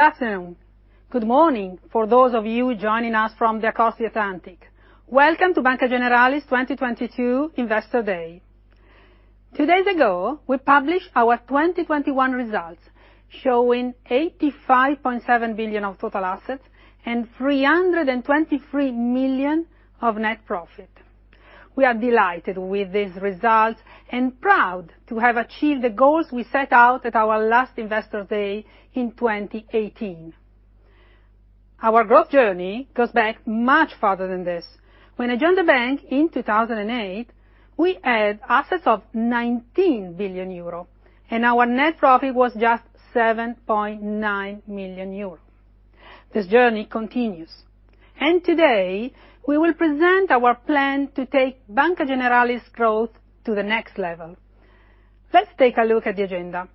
Good afternoon for those of you joining us from across the Atlantic. Welcome to Banca Generali's 2022 Investor Day. Two days ago, we published our 2021 results, showing 85.7 billion of total assets and 323 million of net profit. We are delighted with these results and proud to have achieved the goals we set out at our last Investor Day in 2018. Our growth journey goes back much farther than this. When I joined the bank in 2008, we had assets of 19 billion euro, and our net profit was just 7.9 million euro. This journey continues, and today we will present our plan to take Banca Generali's growth to the next level. Let's take a look at the agenda.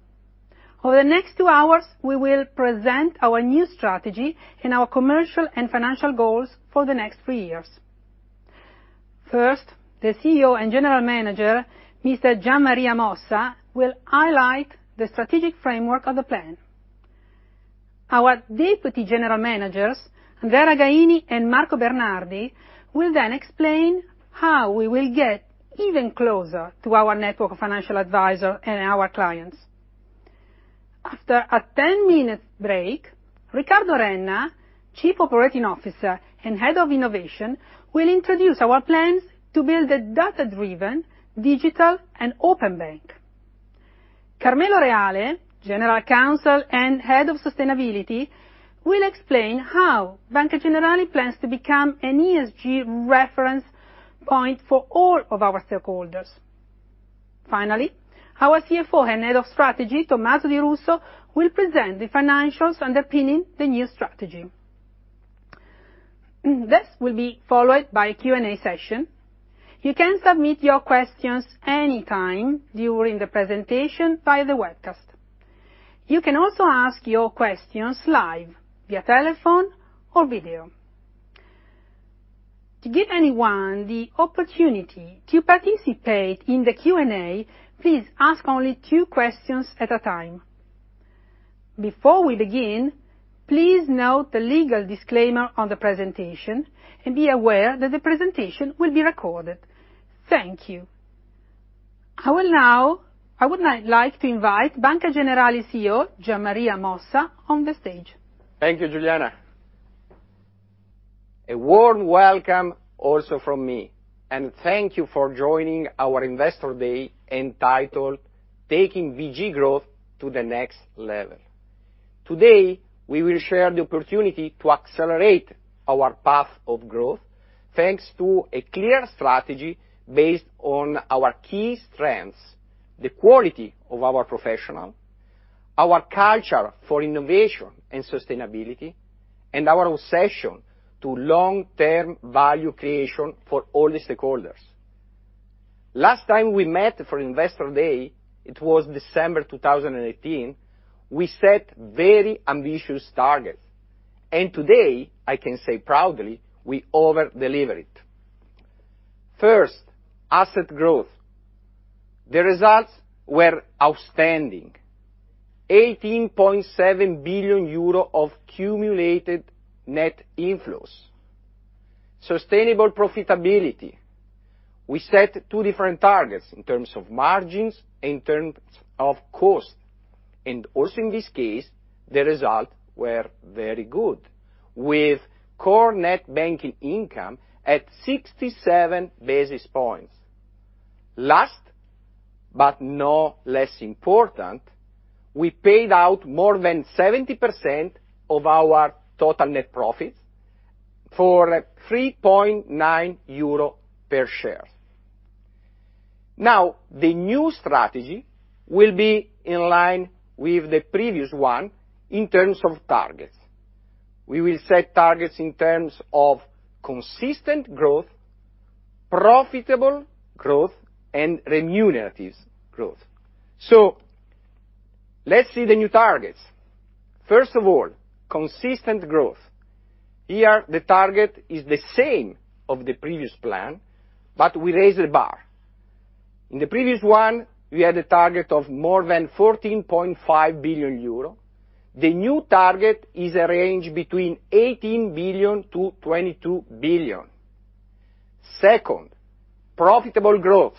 Over the next two hours, we will present our new strategy and our commercial and financial goals for the next three years. First, the CEO and General Manager, Mr. Gian Maria Mossa, will highlight the strategic framework of the plan. Our Deputy General Managers, Andrea Ragaini and Marco Bernardi, will then explain how we will get even closer to our network of financial advisor and our clients. After a 10-minute break, Riccardo Renna, Chief Operating Officer and Head of Innovation, will introduce our plans to build a data-driven digital and open bank. Carmelo Reale, General Counsel and Head of Sustainability, will explain how Banca Generali plans to become an ESG reference point for all of our stakeholders. Finally, our CFO and Head of Strategy, Tommaso Di Russo, will present the financials underpinning the new strategy. This will be followed by a Q&A session. You can submit your questions any time during the presentation via the webcast. You can also ask your questions live via telephone or video. To give anyone the opportunity to participate in the Q&A, please ask only two questions at a time. Before we begin, please note the legal disclaimer on the presentation and be aware that the presentation will be recorded. Thank you. I would now like to invite Banca Generali CEO, Gian Maria Mossa, on the stage. Thank you, Giuliana. A warm welcome also from me, and thank you for joining our Investor Day entitled Taking BG Growth to the Next Level. Today, we will share the opportunity to accelerate our path of growth, thanks to a clear strategy based on our key strengths, the quality of our professional, our culture for innovation and sustainability, and our obsession to long-term value creation for all the stakeholders. Last time we met for Investor Day, it was December 2018, we set very ambitious targets. Today, I can say proudly, we over-deliver it. First, asset growth. The results were outstanding. 18.7 billion euro of cumulated net inflows. Sustainable profitability. We set two different targets in terms of margins, in terms of cost. Also in this case, the results were very good, with core net banking income at 67 basis points. Last, but no less important, we paid out more than 70% of our total net profits for 3.9 euro per share. Now, the new strategy will be in line with the previous one in terms of targets. We will set targets in terms of consistent growth, profitable growth, and remunerative growth. Let's see the new targets. First of all, consistent growth. Here, the target is the same of the previous plan, but we raised the bar. In the previous one, we had a target of more than 14.5 billion euro. The new target is a range between 18 billion and 22 billion. Second, profitable growth.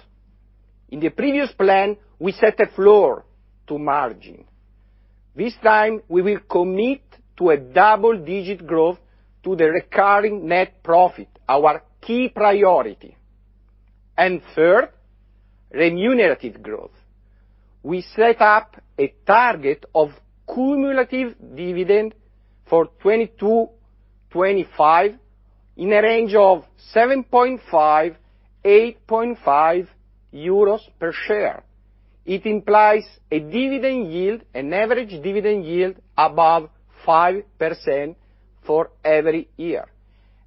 In the previous plan, we set a floor to margin. This time, we will commit to a double-digit growth to the recurring net profit, our key priority. Third, remunerative growth. We set up a target of cumulative dividend for 2022-2025 in a range of 7.5-8.5 euros per share. It implies a dividend yield, an average dividend yield above 5% for every year.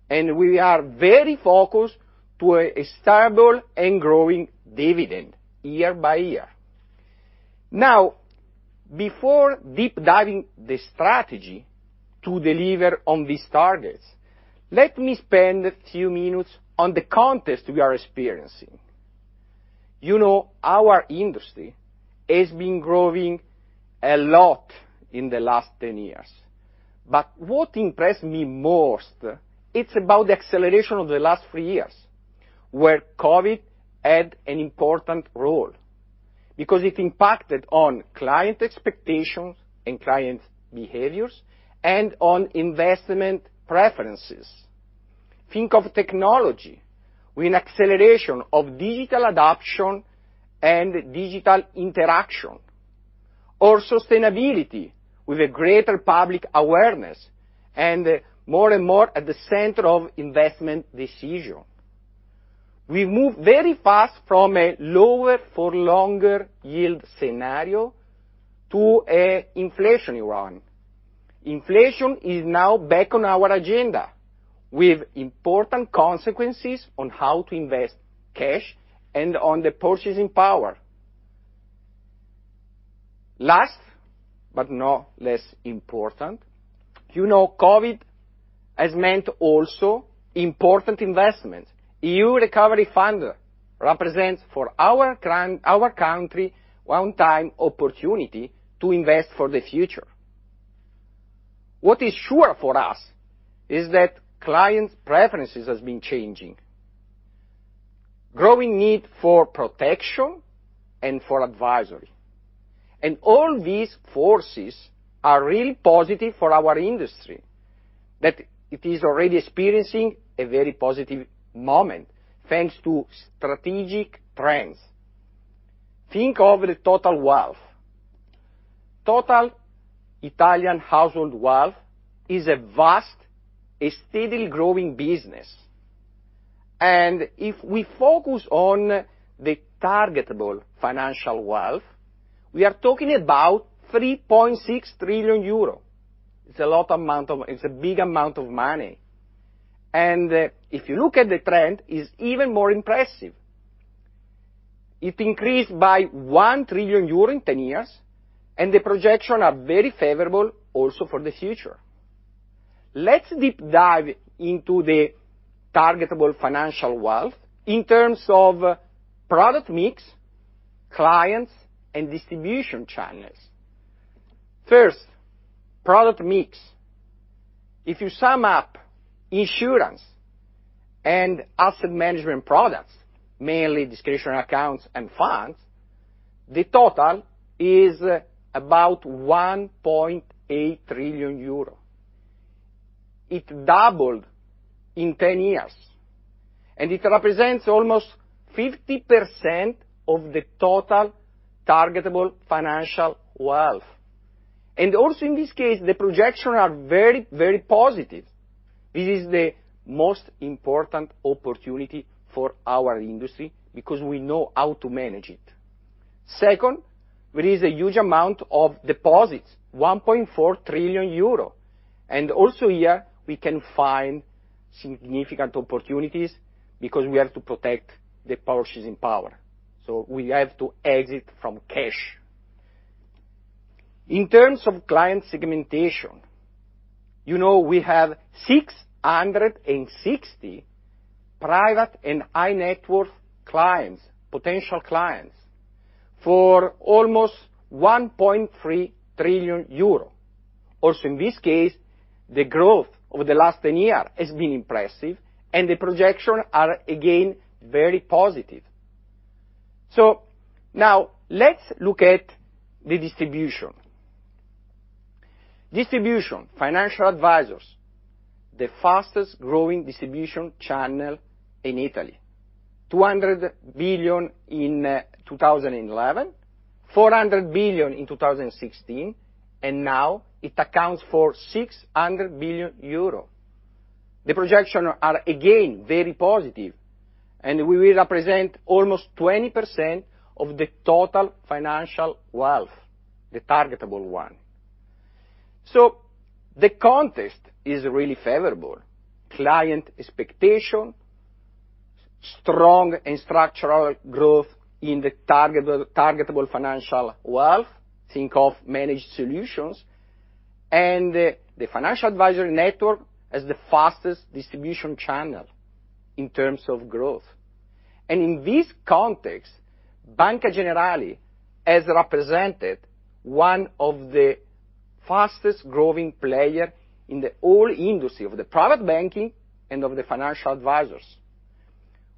We are very focused to a stable and growing dividend year by year. Now, before deep diving the strategy to deliver on these targets, let me spend a few minutes on the context we are experiencing. You know, our industry has been growing a lot in the last 10 years, but what impressed me most, it's about the acceleration of the last three years, where COVID had an important role because it impacted on client expectations and client behaviors and on investment preferences. Think of technology with an acceleration of digital adoption and digital interaction, or sustainability with a greater public awareness and more and more at the center of investment decision. We move very fast from a lower for longer yield scenario to an inflation era. Inflation is now back on our agenda with important consequences on how to invest cash and on the purchasing power. Last but not least important, you know, COVID has meant also important investments. EU recovery fund represents for our country one-time opportunity to invest for the future. What is sure for us is that clients' preferences has been changing. Growing need for protection and for advisory. All these forces are really positive for our industry, that it is already experiencing a very positive moment thanks to strategic trends. Think of the total wealth. Total Italian household wealth is a vast, steadily growing business. If we focus on the targetable financial wealth, we are talking about 3.6 trillion euro. It's a large amount of money. It's a big amount of money. If you look at the trend, it's even more impressive. It increased by 1 trillion euro in ten years, and the projections are very favorable also for the future. Let's deep dive into the targetable financial wealth in terms of product mix, clients, and distribution channels. First, product mix. If you sum up insurance and asset management products, mainly discretionary accounts and funds, the total is about 1.8 trillion euro. It doubled in ten years, and it represents almost 50% of the total targetable financial wealth. Also in this case, the projections are very, very positive. This is the most important opportunity for our industry because we know how to manage it. Second, there is a huge amount of deposits, 1.4 trillion euro, and also here we can find significant opportunities because we have to protect the purchasing power, so we have to exit from cash. In terms of client segmentation, you know we have 660 private and high-net-worth clients, potential clients for almost 1.3 trillion euro. Also, in this case, the growth over the last 10 years has been impressive, and the projections are again very positive. Now let's look at the distribution. Distribution, financial advisors, the fastest-growing distribution channel in Italy. 200 billion in 2011, 400 billion in 2016, and now it accounts for 600 billion euro. The projections are again very positive, and we will represent almost 20% of the total financial wealth, the targetable one. The context is really favorable. Client expectations, strong and structural growth in the targetable financial wealth, think of managed solutions, and the financial advisory network as the fastest distribution channel in terms of growth. In this context, Banca Generali has represented one of the fastest-growing players in the whole industry of the private banking and of the financial advisors.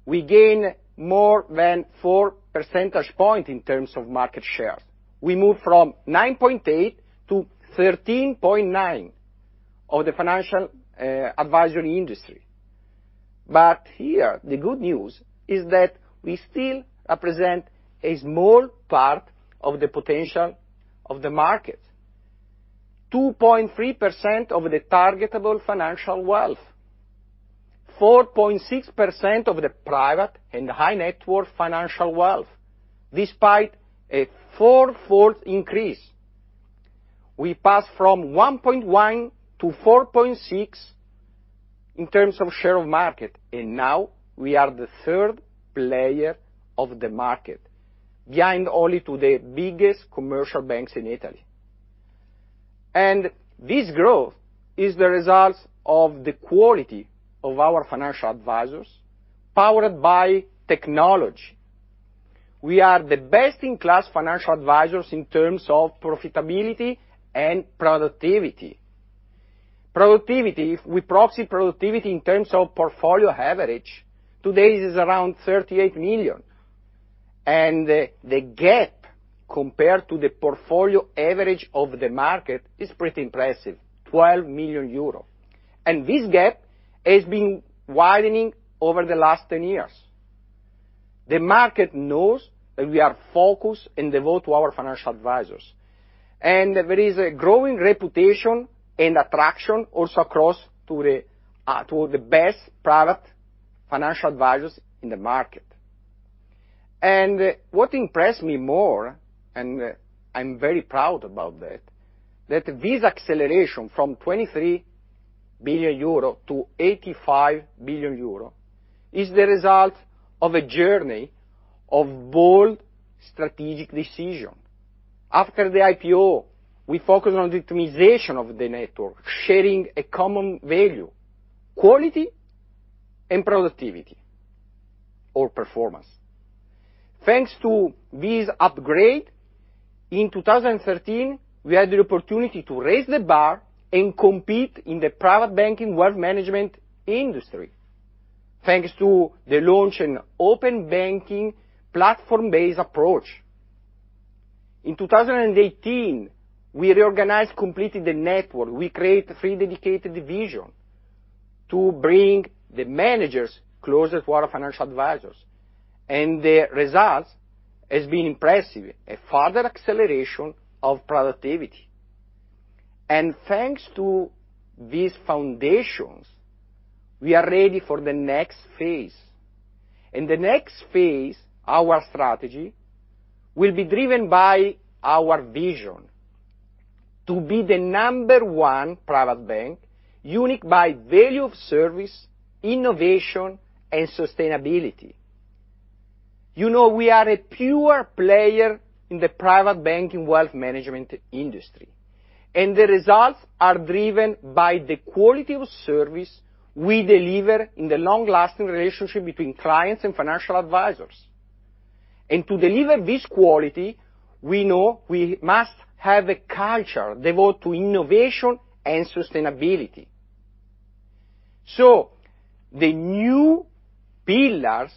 We gain more than four percentage points in terms of market shares. We move from 9.8 to 13.9 of the financial advisory industry. Here, the good news is that we still represent a small part of the potential of the market. 2.3% of the targetable financial wealth, 4.6% of the private and high-net-worth financial wealth, despite a four-fold increase. We pass from 1.1 to 4.6 in terms of share of market, and now we are the third player of the market, behind only to the biggest commercial banks in Italy. This growth is the result of the quality of our financial advisors, powered by technology. We are the best-in-class financial advisors in terms of profitability and productivity. Productivity, if we proxy productivity in terms of portfolio average, today it is around 38 million. The gap compared to the portfolio average of the market is pretty impressive, 12 million euros. This gap has been widening over the last 10 years. The market knows that we are focused and devote to our financial advisors. There is a growing reputation and attraction also across to the best private financial advisors in the market. What impressed me more, and I'm very proud about that this acceleration from 23 billion euro to 85 billion euro is the result of a journey of bold strategic decision. After the IPO, we focused on the optimization of the network, sharing a common value, quality and productivity, or performance. Thanks to this upgrade, in 2013, we had the opportunity to raise the bar and compete in the private banking wealth management industry, thanks to the launch in open banking platform-based approach. In 2018, we reorganized completely the network. We create three dedicated division to bring the managers closer to our financial advisors. The results has been impressive, a further acceleration of productivity. Thanks to these foundations, we are ready for the next phase. In the next phase, our strategy will be driven by our vision to be the number one private bank, unique by value of service, innovation, and sustainability. You know we are a pure player in the private banking wealth management industry, and the results are driven by the quality of service we deliver in the long-lasting relationship between clients and financial advisors. To deliver this quality, we know we must have a culture devoted to innovation and sustainability. The new pillars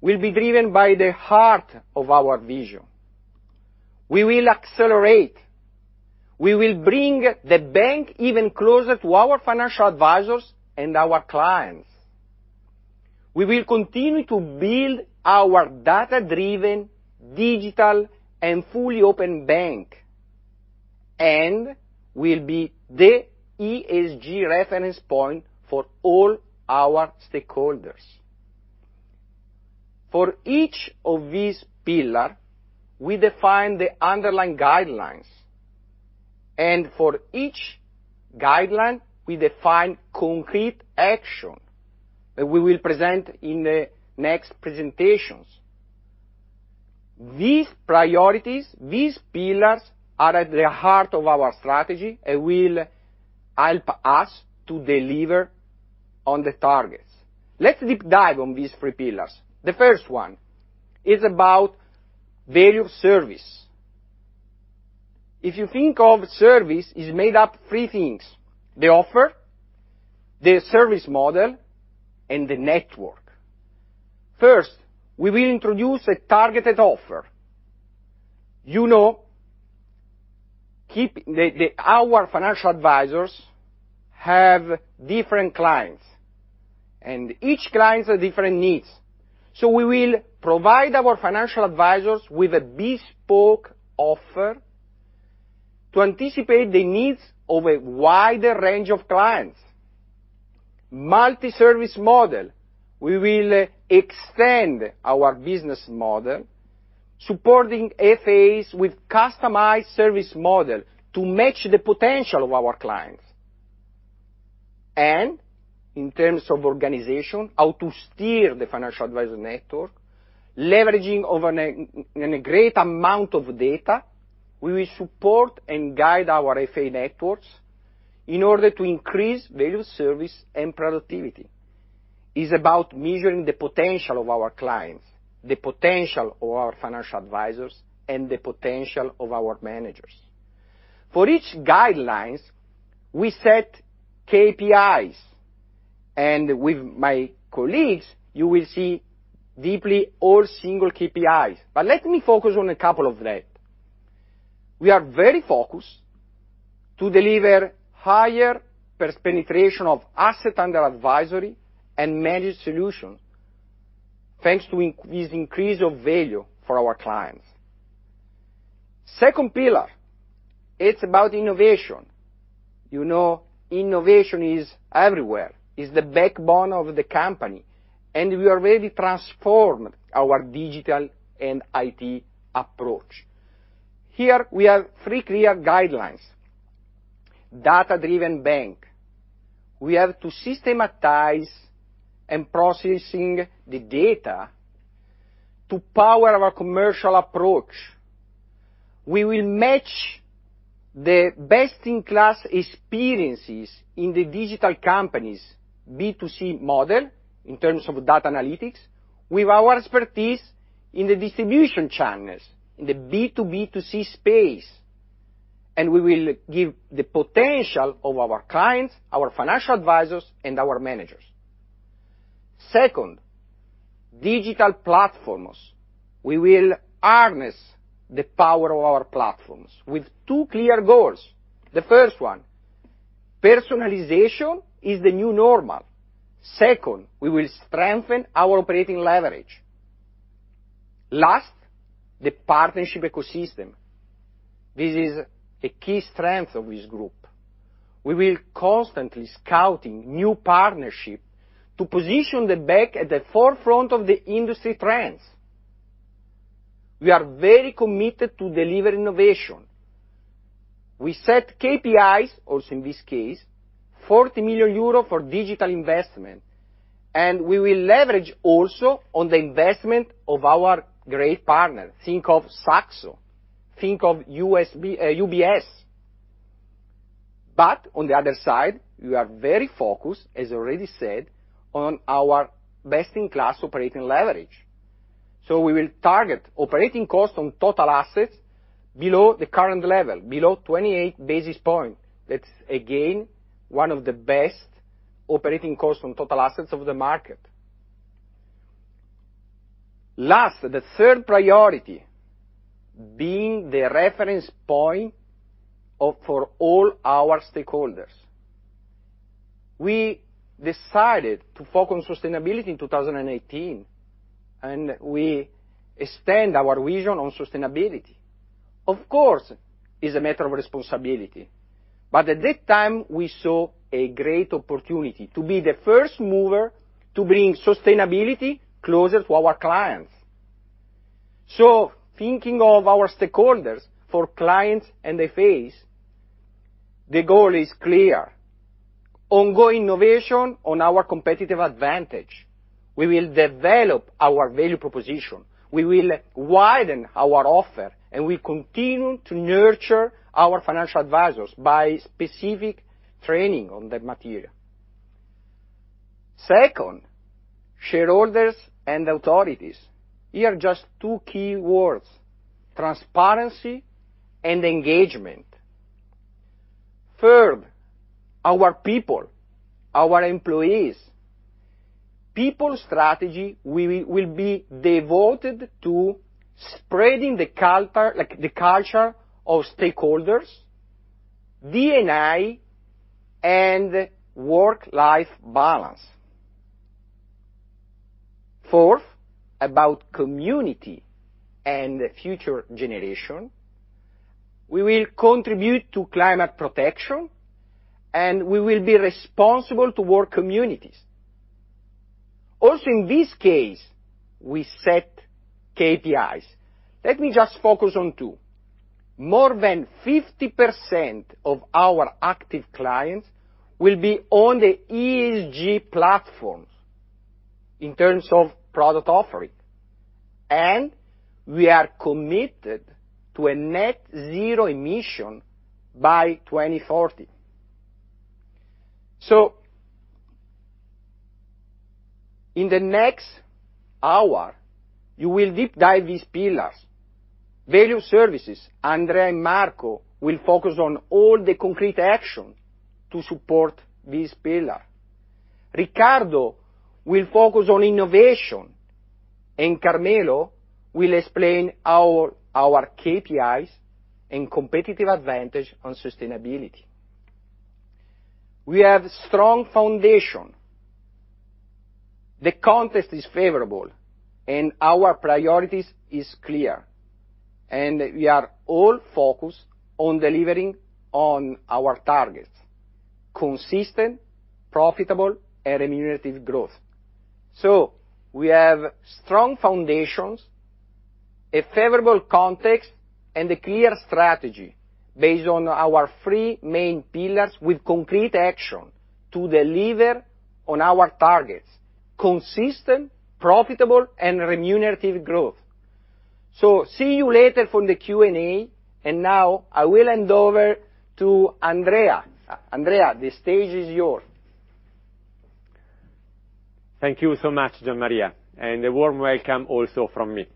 will be driven by the heart of our vision. We will accelerate. We will bring the bank even closer to our financial advisors and our clients. We will continue to build our data-driven, digital, and fully open bank, and we'll be the ESG reference point for all our stakeholders. For each of these pillars, we define the underlying guidelines. For each guideline, we define concrete action that we will present in the next presentations. These priorities, these pillars are at the heart of our strategy and will help us to deliver on the targets. Let's deep dive on these three pillars. The first one is about value of service. If you think of service, it is made up of three things, the offer, the service model, and the network. First, we will introduce a targeted offer. You know, our financial advisors have different clients, and each client has different needs. We will provide our financial advisors with a bespoke offer to anticipate the needs of a wider range of clients. Multi-service model. We will extend our business model, supporting FAs with customized service model to match the potential of our clients. In terms of organization, how to steer the financial advisor network, leveraging over a great amount of data, we will support and guide our FA networks in order to increase value of service and productivity. It's about measuring the potential of our clients, the potential of our financial advisors, and the potential of our managers. For each guidelines, we set KPIs. With my colleagues, you will see deeply all single KPIs. But let me focus on a couple of that. We are very focused to deliver higher penetration of asset under advisory and managed solution, thanks to this increase of value for our clients. Second pillar, it's about innovation. You know, innovation is everywhere. It's the backbone of the company, and we already transformed our digital and IT approach. Here we have three clear guidelines. Data-driven bank. We have to systematize and process the data. To power our commercial approach, we will match the best-in-class experiences in the digital company's B2C model, in terms of data analytics, with our expertise in the distribution channels, in the B2B2C space, and we will unlock the potential of our clients, our financial advisors, and our managers. Second, digital platforms. We will harness the power of our platforms with two clear goals. The first one, personalization is the new normal. Second, we will strengthen our operating leverage. Last, the partnership ecosystem. This is a key strength of this group. We will constantly scout new partnerships to position the bank at the forefront of the industry trends. We are very committed to delivering innovation. We set KPIs, also in this case, 40 million euro for digital investment, and we will leverage also on the investment of our great partner. Think of Saxo. Think of UBS. On the other side, we are very focused, as already said, on our best-in-class operating leverage. We will target operating costs on total assets below the current level, below 28 basis points. That's again one of the best operating costs on total assets of the market. Last, the third priority, being the reference point for all our stakeholders. We decided to focus on sustainability in 2018, and we extend our vision on sustainability. Of course, it's a matter of responsibility. At that time, we saw a great opportunity to be the first mover to bring sustainability closer to our clients. Thinking of our stakeholders, for clients and they face, the goal is clear. Ongoing innovation on our competitive advantage. We will develop our value proposition. We will widen our offer, and we continue to nurture our financial advisors by specific training on that material. Second, shareholders and authorities. Here are just two key words, transparency and engagement. Third, our people, our employees. People strategy, we will be devoted to spreading the culture, like the culture of stakeholders, D&I, and work-life balance. Fourth, about community and future generation, we will contribute to climate protection, and we will be responsible toward communities. Also, in this case, we set KPIs. Let me just focus on two. More than 50% of our active clients will be on the ESG platforms in terms of product offering. We are committed to a net zero emission by 2040. In the next hour, you will deep dive these pillars. Value services, Andrea and Marco will focus on all the concrete action to support this pillar. Riccardo will focus on innovation, and Carmelo will explain our KPIs and competitive advantage on sustainability. We have strong foundation. The context is favorable, and our priorities is clear. We are all focused on delivering on our targets. Consistent, profitable, and remunerative growth. We have strong foundations, a favorable context, and a clear strategy based on our three main pillars with concrete action to deliver on our targets. Consistent, profitable, and remunerative growth. See you later for the Q&A, and now I will hand over to Andrea. Andrea, the stage is yours. Thank you so much, Gian Maria, and a warm welcome also from me.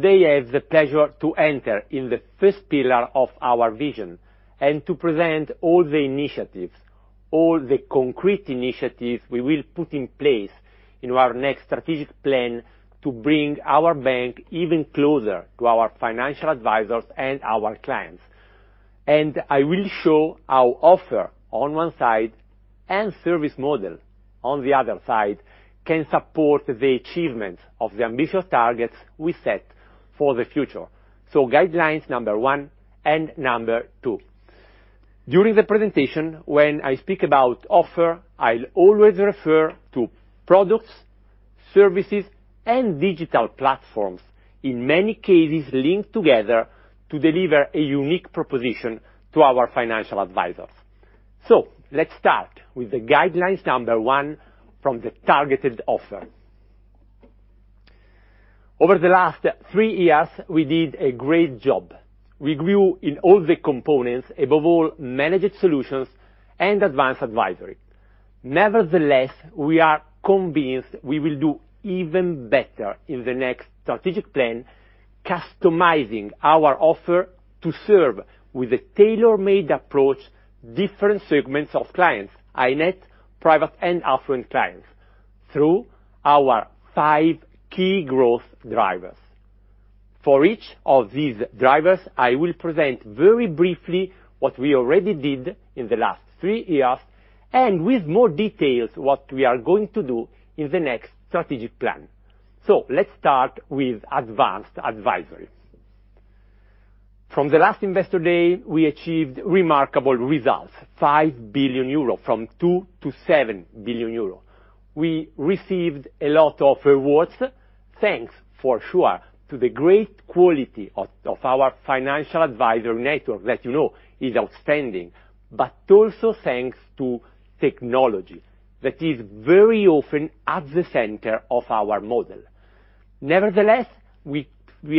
Today, I have the pleasure to enter in the first pillar of our vision and to present all the initiatives, all the concrete initiatives we will put in place in our next strategic plan to bring our bank even closer to our financial advisors and our clients. I will show our offer on one side and service model on the other side can support the achievement of the ambitious targets we set for the future. Guidelines number one and number two. During the presentation, when I speak about offer, I'll always refer to products, services, and digital platforms, in many cases linked together to deliver a unique proposition to our financial advisors. Let's start with the guidelines number one from the targeted offer. Over the last three years, we did a great job. We grew in all the components, above all Managed Solutions and Advanced Advisory. Nevertheless, we are convinced we will do even better in the next strategic plan, customizing our offer to serve with a tailor-made approach, different segments of clients, iNet, private and affluent clients, through our five key growth drivers. For each of these drivers, I will present very briefly what we already did in the last three years, and with more details, what we are going to do in the next strategic plan. Let's start with Advanced Advisory. From the last Investor Day, we achieved remarkable results, 5 billion euro, from 2 billion to 7 billion euro. We received a lot of rewards. Thanks for sure to the great quality of our financial advisor network that you know is outstanding, but also thanks to technology that is very often at the center of our model. Nevertheless, we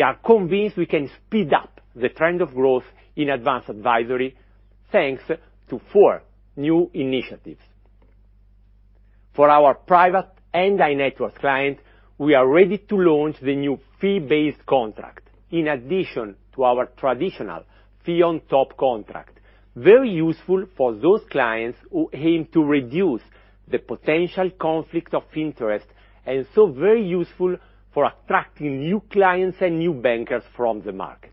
are convinced we can speed up the trend of growth in Advanced Advisory thanks to four new initiatives. For our private and iNetwork client, we are ready to launch the new fee-based contract in addition to our traditional fee on top contract, very useful for those clients who aim to reduce the potential conflict of interest, and so very useful for attracting new clients and new bankers from the market.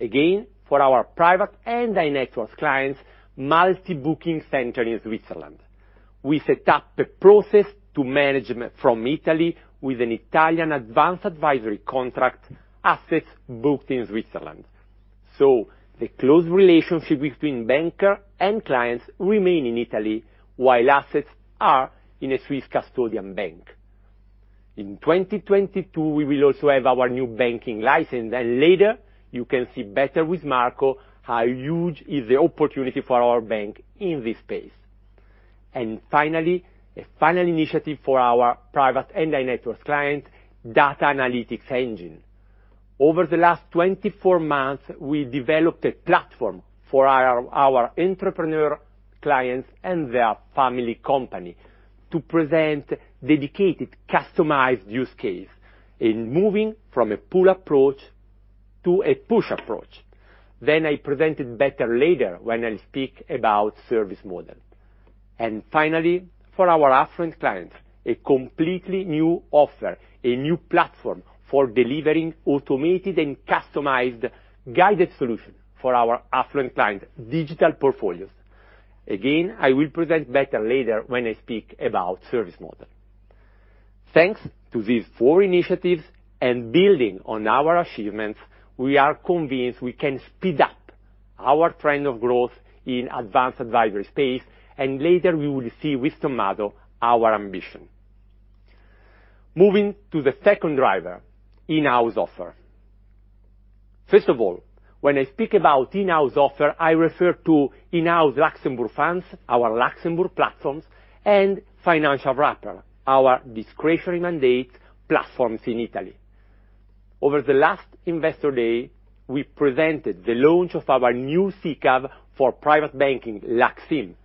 Again, for our private and iNetworks clients, multi-booking center in Switzerland. We set up a process to manage assets from Italy with an Italian Advanced Advisory contract, assets booked in Switzerland. The close relationship between banker and clients remain in Italy while assets are in a Swiss custodian bank. In 2022, we will also have our new banking license, and later you can see better with Marco how huge is the opportunity for our bank in this space. Finally, a final initiative for our private and HNWI clients, data analytics engine. Over the last 24 months, we developed a platform for our entrepreneur clients and their family company to present dedicated, customized use cases in moving from a pull approach to a push approach. I present it better later when I speak about service model. Finally, for our affluent clients, a completely new offer, a new platform for delivering automated and customized guided solutions for our affluent clients digital portfolios. Again, I will present better later when I speak about service model. Thanks to these four initiatives and building on our achievements, we are convinced we can speed up our trend of growth in Advanced Advisory space, and later we will see with Tommaso our ambition. Moving to the second driver, in-house offer. First of all, when I speak about in-house offer, I refer to in-house Luxembourg funds, our Luxembourg platforms and financial wrapper, our discretionary mandate platforms in Italy. Over the last Investor Day, we presented the launch of our new SICAV for private banking, LUX IM,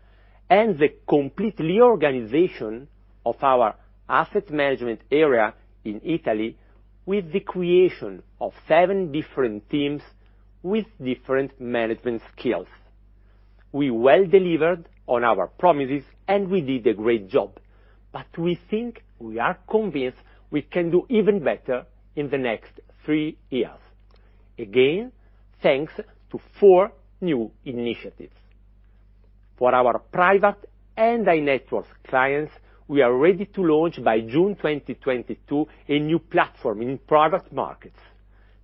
and the complete reorganization of our asset management area in Italy with the creation of seven different teams with different management skills. We well delivered on our promises, and we did a great job, but we think we are convinced we can do even better in the next three years. Again, thanks to four new initiatives. For our private and iNetworks clients, we are ready to launch by June 2022 a new platform in private markets,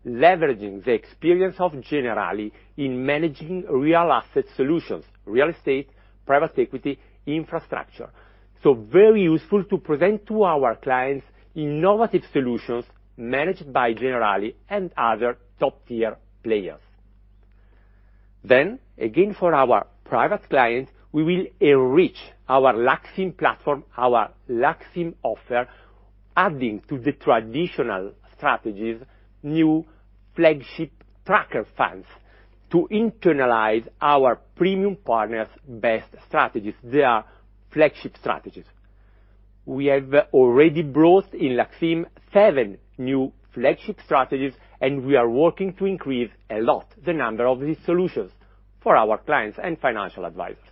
leveraging the experience of Generali in managing real asset solutions, real estate, private equity, infrastructure, so very useful to present to our clients innovative solutions managed by Generali and other top-tier players. Then, again, for our private clients, we will enrich our LUX IM platform, our LUX IM offer, adding to the traditional strategies, new flagship tracker funds to internalize our premium partners' best strategies, their flagship strategies. We have already brought in LUX IM 7 new flagship strategies, and we are working to increase a lot the number of these solutions for our clients and financial advisors.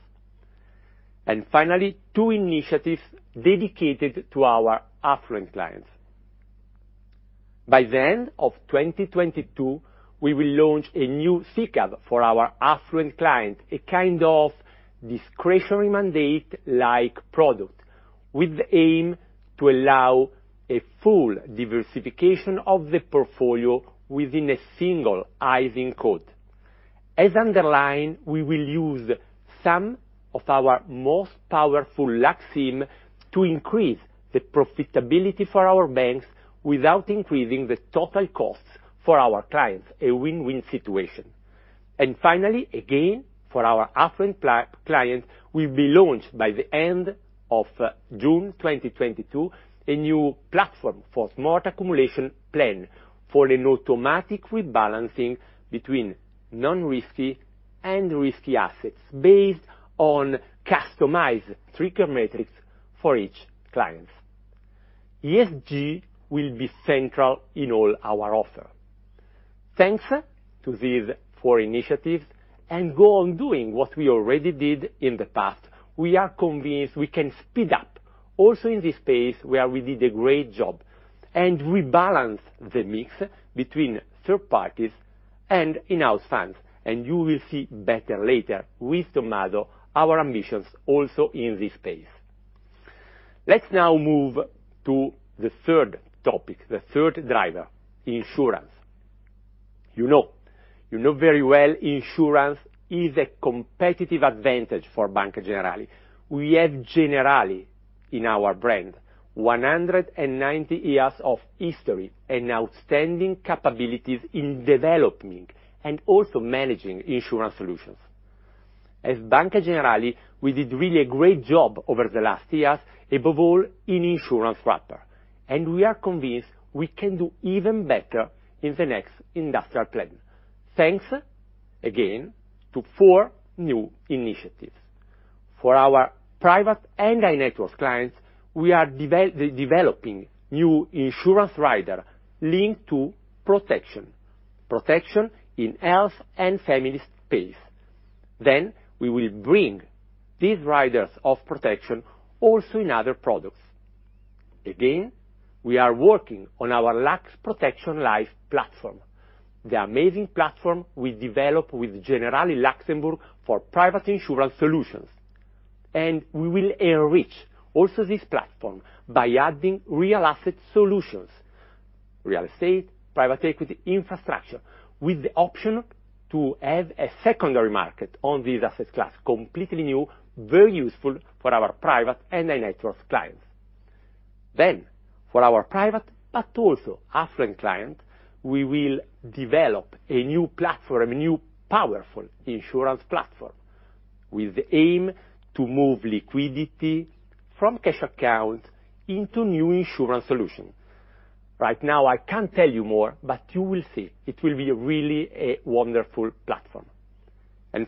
Finally, two initiatives dedicated to our affluent clients. By the end of 2022, we will launch a new SICAV for our affluent client, a kind of discretionary mandate like product, with the aim to allow a full diversification of the portfolio within a single ISIN code. As underlined, we will use some of our most powerful LUX IM to increase the profitability for our banks without increasing the total costs for our clients, a win-win situation. Finally, again, for our affluent clients, we've been launched by the end of June 2022, a new platform for smart accumulation plan for an automatic rebalancing between non-risky and risky assets, based on customized trigger metrics for each clients. ESG will be central in all our offer. Thanks to these four initiatives and go on doing what we already did in the past, we are convinced we can speed up also in this space where we did a great job, and rebalance the mix between third parties and in-house funds. You will see better later with Tommaso our ambitions also in this space. Let's now move to the third topic, the third driver, insurance. You know very well insurance is a competitive advantage for Banca Generali. We have Generali in our brand. 190 years of history and outstanding capabilities in developing and also managing insurance solutions. As Banca Generali, we did really a great job over the last years, above all in insurance wrapper. We are convinced we can do even better in the next industrial plan, thanks again to four new initiatives. For our private and high-net-worth clients, we are developing new insurance rider linked to protection in health and families space. We will bring these riders of protection also in other products. Again, we are working on our Lux Protection Life platform, the amazing platform we developed with Generali Luxembourg for private insurance solutions. We will enrich also this platform by adding real asset solutions, real estate, private equity infrastructure, with the option to have a secondary market on this asset class, completely new, very useful for our private and high-net-worth clients. For our private but also affluent client, we will develop a new platform, a new powerful insurance platform, with the aim to move liquidity from cash accounts into new insurance solutions. Right now, I can't tell you more, but you will see it will be really a wonderful platform.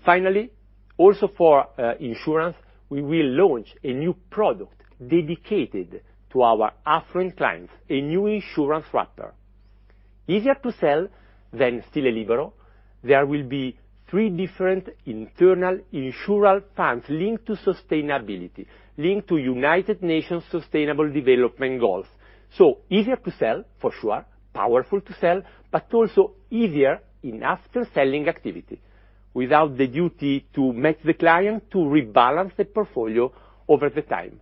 Finally, also for insurance, we will launch a new product dedicated to our affluent clients, a new insurance wrapper. Easier to sell than Stile Libero. There will be three different internal insurance funds linked to sustainability, linked to United Nations Sustainable Development Goals. Easier to sell for sure, powerful to sell, but also easier in after selling activity, without the duty to meet the client to rebalance the portfolio over the time.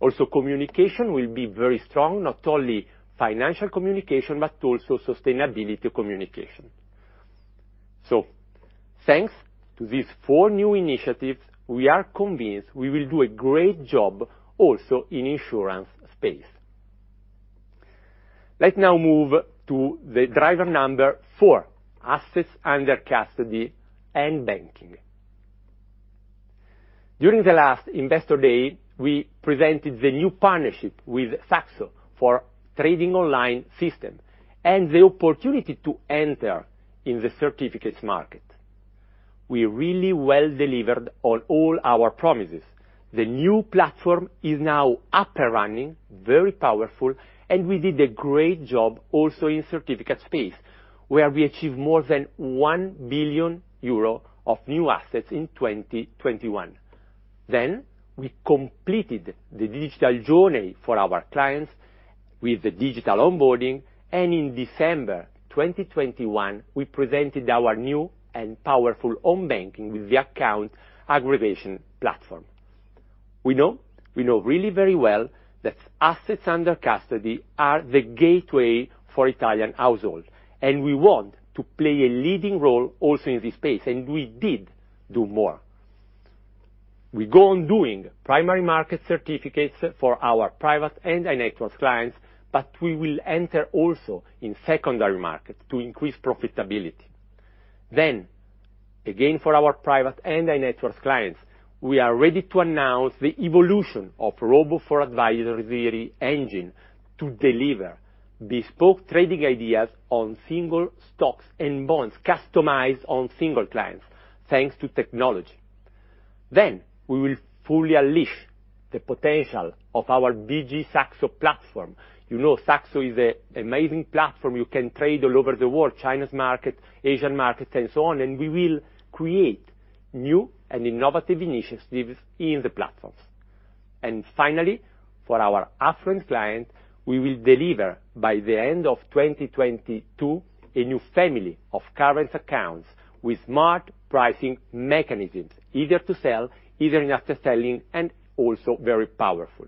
Also, communication will be very strong, not only financial communication, but also sustainability communication. Thanks to these four new initiatives, we are convinced we will do a great job also in insurance space. Let's now move to the driver number four, assets under custody and banking. During the last Investor Day, we presented the new partnership with Saxo for trading online system and the opportunity to enter in the certificates market. We really well delivered on all our promises. The new platform is now up and running, very powerful, and we did a great job also in certificate space, where we achieved more than 1 billion euro of new assets in 2021. We completed the digital journey for our clients with the digital onboarding, and in December 2021, we presented our new and powerful online banking with the account aggregation platform. We know really very well that assets under custody are the gateway for Italian households, and we want to play a leading role also in this space, and we did do more. We go on doing primary market certificates for our private and high-net-worth clients, but we will enter also in secondary market to increase profitability. Again, for our private and high-net-worth clients, we are ready to announce the evolution of Robo-for-Advisory engine to deliver bespoke trading ideas on single stocks and bonds customized on single clients, thanks to technology. We will fully unleash the potential of our BG SAXO platform. You know Saxo is an amazing platform. You can trade all over the world, China's market, Asian markets, and so on, and we will create new and innovative initiatives in the platforms. Finally, for our affluent client, we will deliver by the end of 2022, a new family of current accounts with smart pricing mechanisms, easier to sell, easier in after selling, and also very powerful.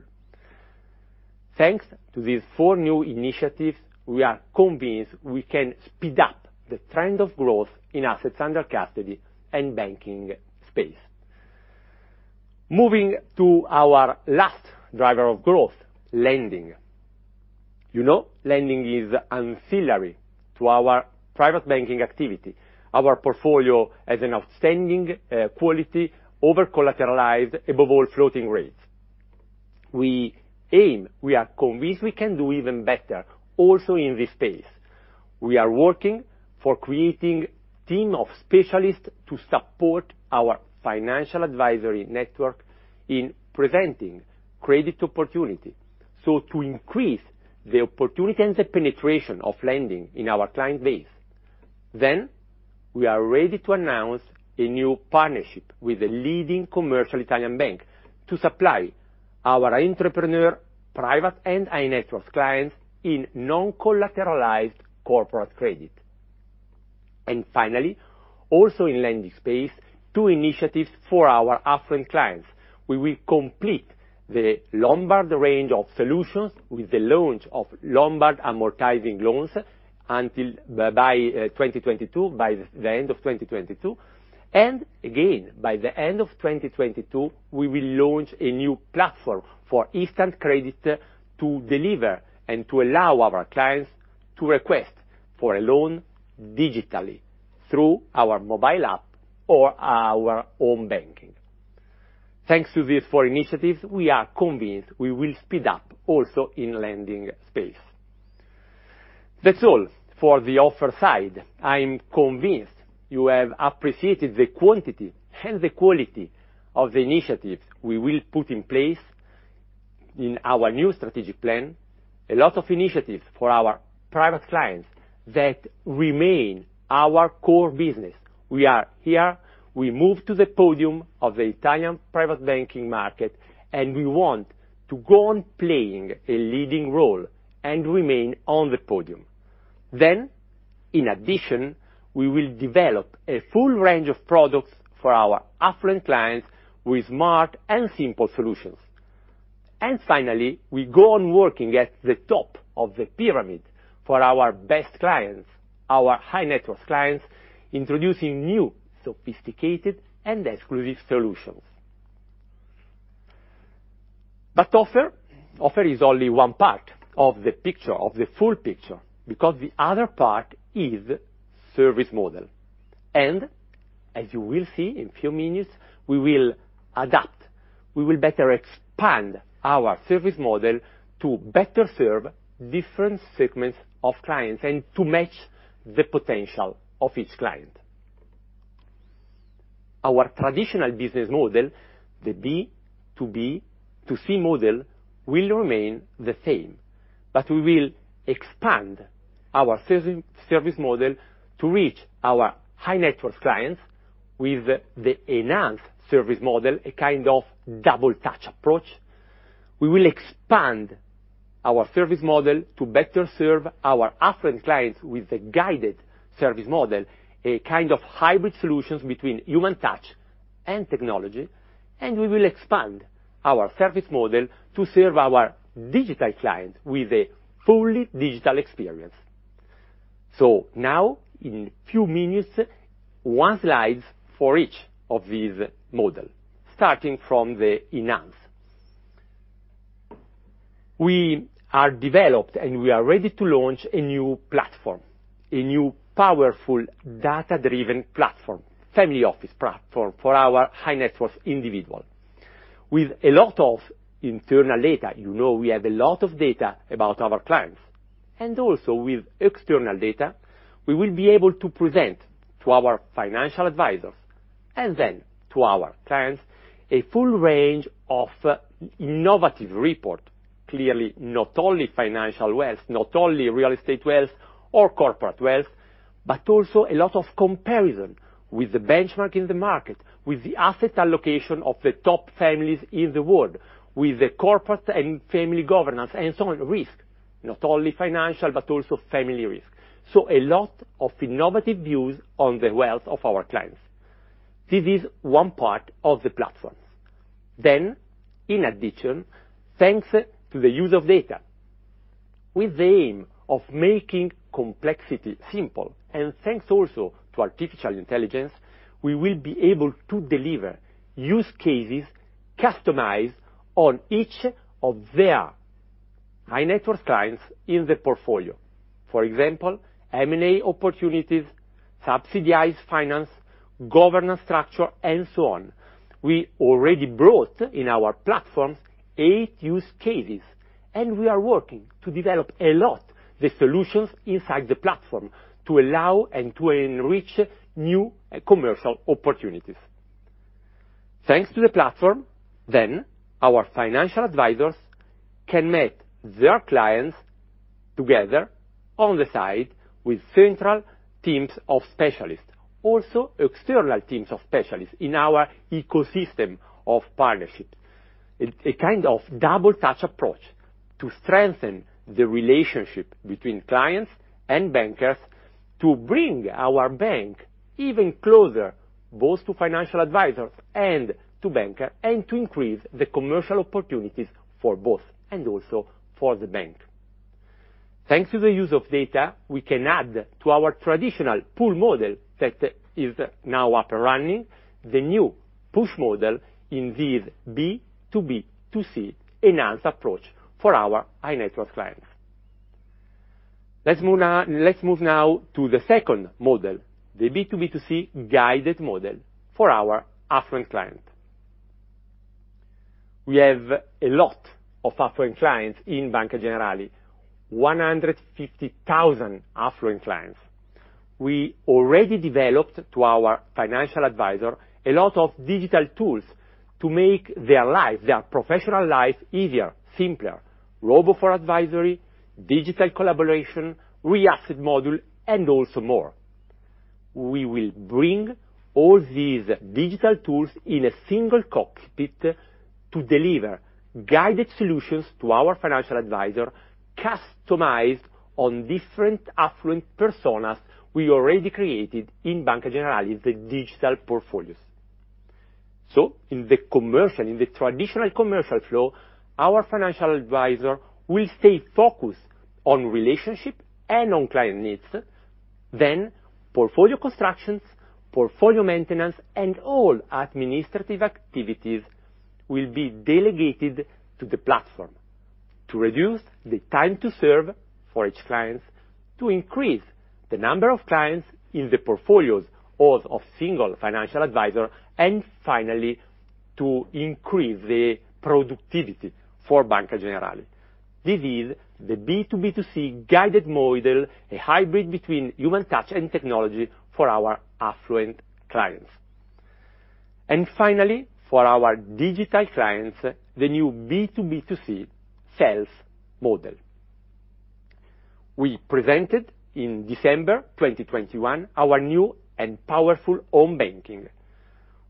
Thanks to these four new initiatives, we are convinced we can speed up the trend of growth in assets under custody and banking space. Moving to our last driver of growth, lending. You know, lending is ancillary to our private banking activity. Our portfolio has an outstanding quality, over-collateralized, above all floating rates. We aim, we are convinced we can do even better also in this space. We are working for creating team of specialists to support our financial advisory network in presenting credit opportunity, so to increase the opportunity and the penetration of lending in our client base. We are ready to announce a new partnership with a leading commercial Italian bank to supply our entrepreneur, private, and high-net-worth clients in non-collateralized corporate credit. Finally, also in lending space, two initiatives for our affluent clients. We will complete the Lombard range of solutions with the launch of Lombard amortizing loans until by 2022, by the end of 2022. Again, by the end of 2022, we will launch a new platform for instant credit to deliver and to allow our clients to request for a loan digitally through our mobile app or our own banking. Thanks to these four initiatives, we are convinced we will speed up also in lending space. That's all for the offer side. I'm convinced you have appreciated the quantity and the quality of the initiatives we will put in place in our new strategic plan. A lot of initiatives for our private clients that remain our core business. We are here, we move to the podium of the Italian private banking market, and we want to go on playing a leading role and remain on the podium. In addition, we will develop a full range of products for our affluent clients with smart and simple solutions. Finally, we go on working at the top of the pyramid for our best clients, our high-net-worth clients, introducing new, sophisticated, and exclusive solutions. Offer is only one part of the picture, of the full picture, because the other part is service model. As you will see in few minutes, we will adapt. We will better expand our service model to better serve different segments of clients and to match the potential of each client. Our traditional business model, the B to B to C model, will remain the same. We will expand our service model to reach our high-net-worth clients with the enhanced service model, a kind of double touch approach. We will expand our service model to better serve our affluent clients with a guided service model, a kind of hybrid solution between human touch and technology, and we will expand our service model to serve our digital clients with a fully digital experience. Now, in a few minutes, one slide for each of these models, starting from the enhanced. We have developed and we are ready to launch a new platform, a new powerful data-driven platform, a family office platform for our high-net-worth individuals. With a lot of internal data, you know we have a lot of data about our clients, and also with external data, we will be able to present to our financial advisors, and then to our clients, a full range of innovative report, clearly not only financial wealth, not only real estate wealth or corporate wealth, but also a lot of comparison with the benchmark in the market, with the asset allocation of the top families in the world, with the corporate and family governance and so on risk, not only financial, but also family risk. A lot of innovative views on the wealth of our clients. This is one part of the platform. In addition, thanks to the use of data, with the aim of making complexity simple, and thanks also to artificial intelligence, we will be able to deliver use cases customized on each of their high-net-worth clients in the portfolio. For example, M&A opportunities, subsidized finance, governance structure, and so on. We already brought in our platforms eight use cases, and we are working to develop a lot the solutions inside the platform to allow and to enrich new commercial opportunities. Thanks to the platform, our financial advisors can meet their clients together on the side with central teams of specialists, also external teams of specialists in our ecosystem of partnership. A kind of double touch approach to strengthen the relationship between clients and bankers to bring our bank even closer, both to financial advisors and to banker, and to increase the commercial opportunities for both, and also for the bank. Thanks to the use of data, we can add to our traditional pull model that is now up and running, the new push model in this B2B2C enhanced approach for our high-net-worth clients. Let's move now to the second model, the B2B2C guided model for our affluent client. We have a lot of affluent clients in Banca Generali, 150,000 affluent clients. We already developed to our financial advisor a lot of digital tools to make their life, their professional life easier, simpler. Robo-for-Advisory, digital collaboration, reAsset module, and also more. We will bring all these digital tools in a single cockpit to deliver guided solutions to our financial advisor, customized on different affluent personas we already created in Banca Generali, the digital portfolios. In the commercial, in the traditional commercial flow, our financial advisor will stay focused on relationship and on client needs. Portfolio constructions, portfolio maintenance, and all administrative activities will be delegated to the platform to reduce the time to serve for each client, to increase the number of clients in the portfolios of single financial advisor, and finally, to increase the productivity for Banca Generali. This is the B to B to C guided model, a hybrid between human touch and technology for our affluent clients. Finally, for our digital clients, the new B to B to C sales model. We presented in December 2021 our new and powerful home banking.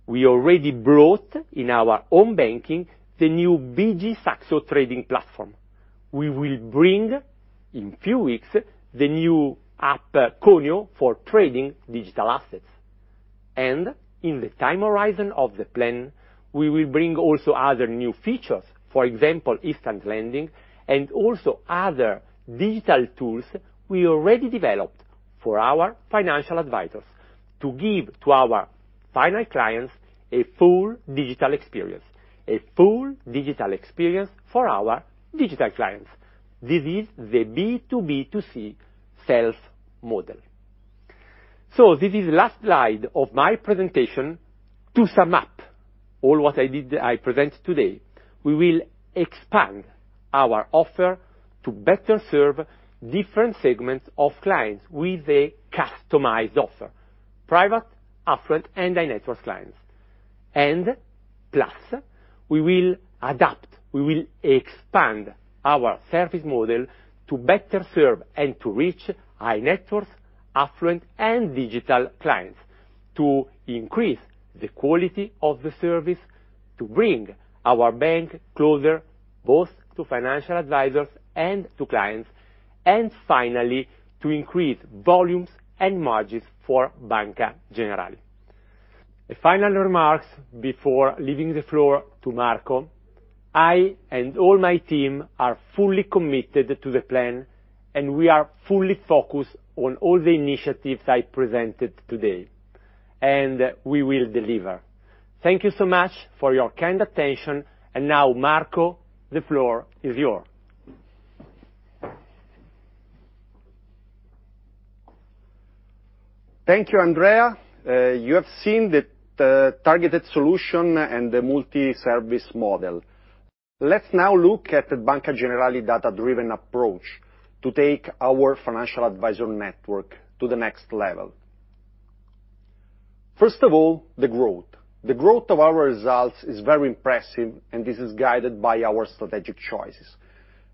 We already brought in our home banking the new BG SAXO trading platform. We will bring, in few weeks, the new app Conio for trading digital assets. In the time horizon of the plan, we will bring also other new features. For example, instant lending and also other digital tools we already developed for our financial advisors to give to our final clients a full digital experience, a full digital experience for our digital clients. This is the B2B2C sales model. This is last slide of my presentation. To sum up all that I presented today, we will expand our offer to better serve different segments of clients with a customized offer, private, affluent, and high-net-worth clients. Plus, we will adapt, we will expand our service model to better serve and to reach high-net-worth, affluent, and digital clients to increase the quality of the service, to bring our bank closer, both to financial advisors and to clients, and finally, to increase volumes and margins for Banca Generali. The final remarks before leaving the floor to Marco, I and all my team are fully committed to the plan, and we are fully focused on all the initiatives I presented today, and we will deliver. Thank you so much for your kind attention. Now, Marco, the floor is yours. Thank you, Andrea. You have seen the targeted solution and the multi-service model. Let's now look at the Banca Generali data-driven approach to take our financial advisor network to the next level. First of all, the growth. The growth of our results is very impressive, and this is guided by our strategic choices.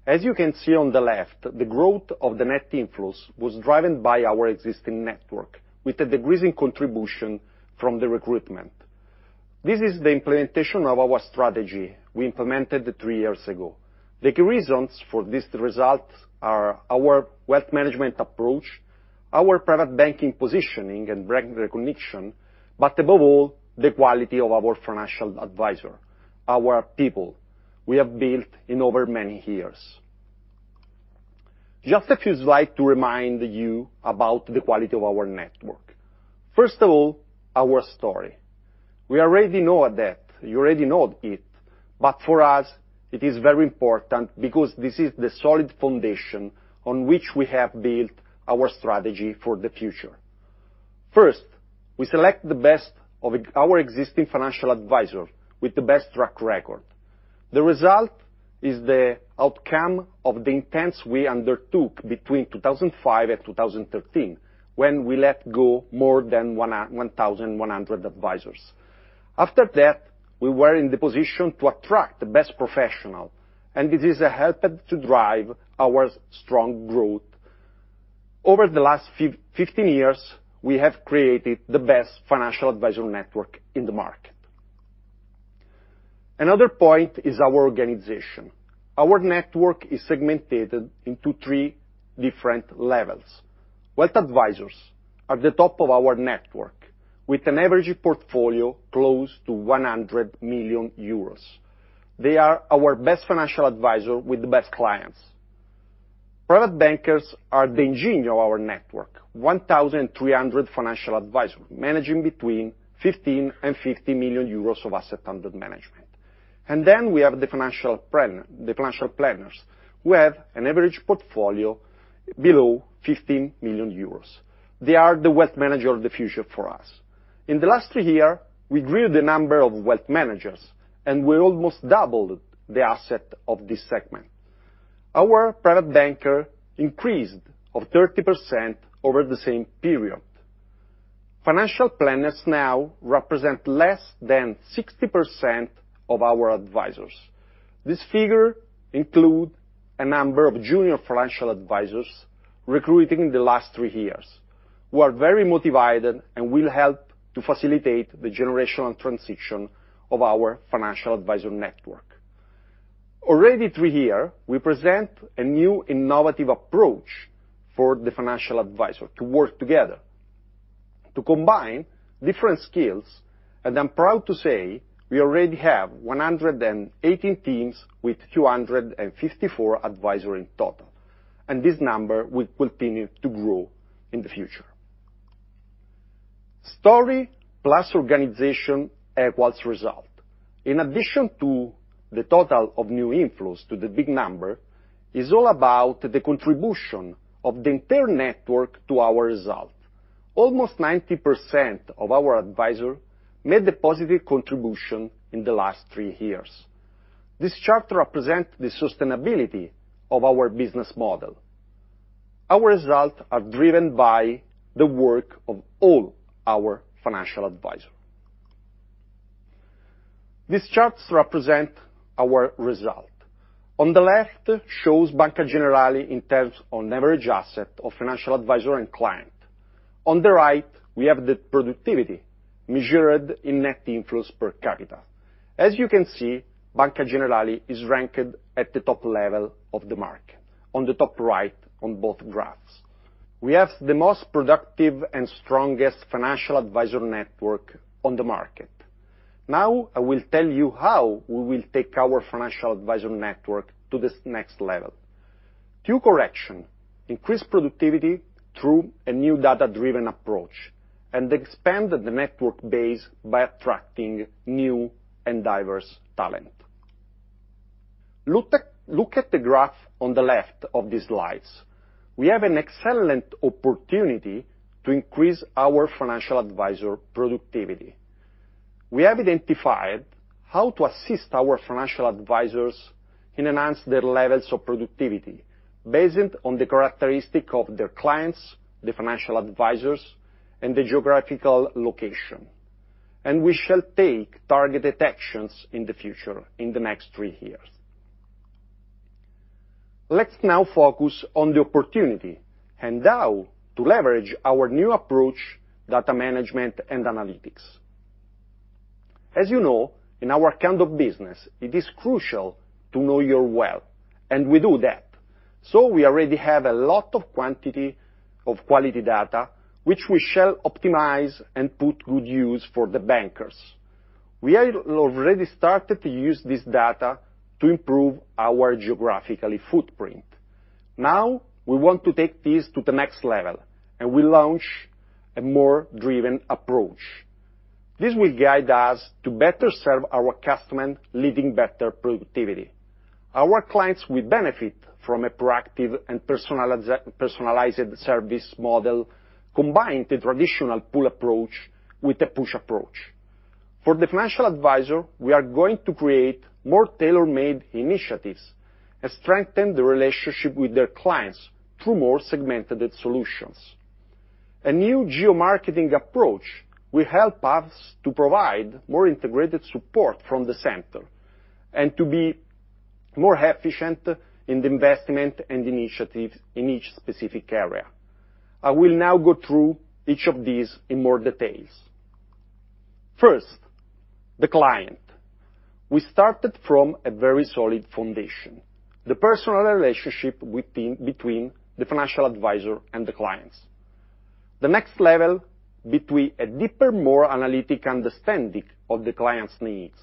As you can see on the left, the growth of the net inflows was driven by our existing network with a decreasing contribution from the recruitment. This is the implementation of our strategy we implemented three years ago. The key reasons for this result are our wealth management approach, our private banking positioning and brand recognition, but above all, the quality of our financial advisor, our people we have built in over many years. Just a few slides to remind you about the quality of our network. First of all, our story. We already know that. You already know it. For us, it is very important because this is the solid foundation on which we have built our strategy for the future. First, we select the best of our existing financial advisors with the best track record. The result is the outcome of the initiatives we undertook between 2005 and 2013, when we let go more than 1,100 advisors. After that, we were in the position to attract the best professionals, and this has helped to drive our strong growth. Over the last 15 years, we have created the best financial advisor network in the market. Another point is our organization. Our network is segmented into three different levels. Wealth advisors are the top of our network, with an average portfolio close to 100 million euros. They are our best financial advisor with the best clients. Private bankers are the engine of our network, 1,300 financial advisors managing between 15 million and 50 million euros of assets under management. We have the financial planners, who have an average portfolio below 15 million euros. They are the wealth managers of the future for us. In the last three years, we grew the number of wealth managers, and we almost doubled the assets of this segment. Our private bankers increased 30% over the same period. Financial planners now represent less than 60% of our advisors. This figure includes a number of junior financial advisors recruited in the last three years, who are very motivated and will help to facilitate the generational transition of our financial advisor network. Already three years, we present a new innovative approach for the financial advisors to work together to combine different skills, and I'm proud to say we already have 180 teams with 254 advisors in total, and this number will continue to grow in the future. Story plus organization equals result. In addition to the total of new inflows to the big number is all about the contribution of the entire network to our result. Almost 90% of our advisors made a positive contribution in the last three years. This chart represents the sustainability of our business model. Our results are driven by the work of all our financial advisors. These charts represent our results. On the left shows Banca Generali in terms on average asset of financial advisors and client. On the right, we have the productivity measured in net inflows per capita. As you can see, Banca Generali is ranked at the top level of the market, on the top right on both graphs. We have the most productive and strongest financial advisor network on the market. Now I will tell you how we will take our financial advisor network to this next level. Two corrections, increase productivity through a new data-driven approach and expand the network base by attracting new and diverse talent. Look at the graph on the left of these slides. We have an excellent opportunity to increase our financial advisor productivity. We have identified how to assist our financial advisors and enhance their levels of productivity based on the characteristics of their clients, the financial advisors, and the geographical location, and we shall take targeted actions in the future in the next three years. Let's now focus on the opportunity and how to leverage our new approach, data management and analytics. As you know, in our kind of business, it is crucial to know your wealth, and we do that, so we already have a lot of quantity and quality data, which we shall optimize and put to good use for the bankers. We have already started to use this data to improve our geographic footprint. Now we want to take this to the next level, and we launch a data-driven approach. This will guide us to better serve our customer, leading to better productivity. Our clients will benefit from a proactive and personalized service model, combining the traditional pull approach with a push approach. For the financial advisor, we are going to create more tailor-made initiatives and strengthen the relationship with their clients through more segmented solutions. A new geo-marketing approach will help us to provide more integrated support from the center and to be more efficient in the investment and initiative in each specific area. I will now go through each of these in more details. First, the client. We started from a very solid foundation, the personal relationship between the financial advisor and the clients. The next level between a deeper, more analytic understanding of the client's needs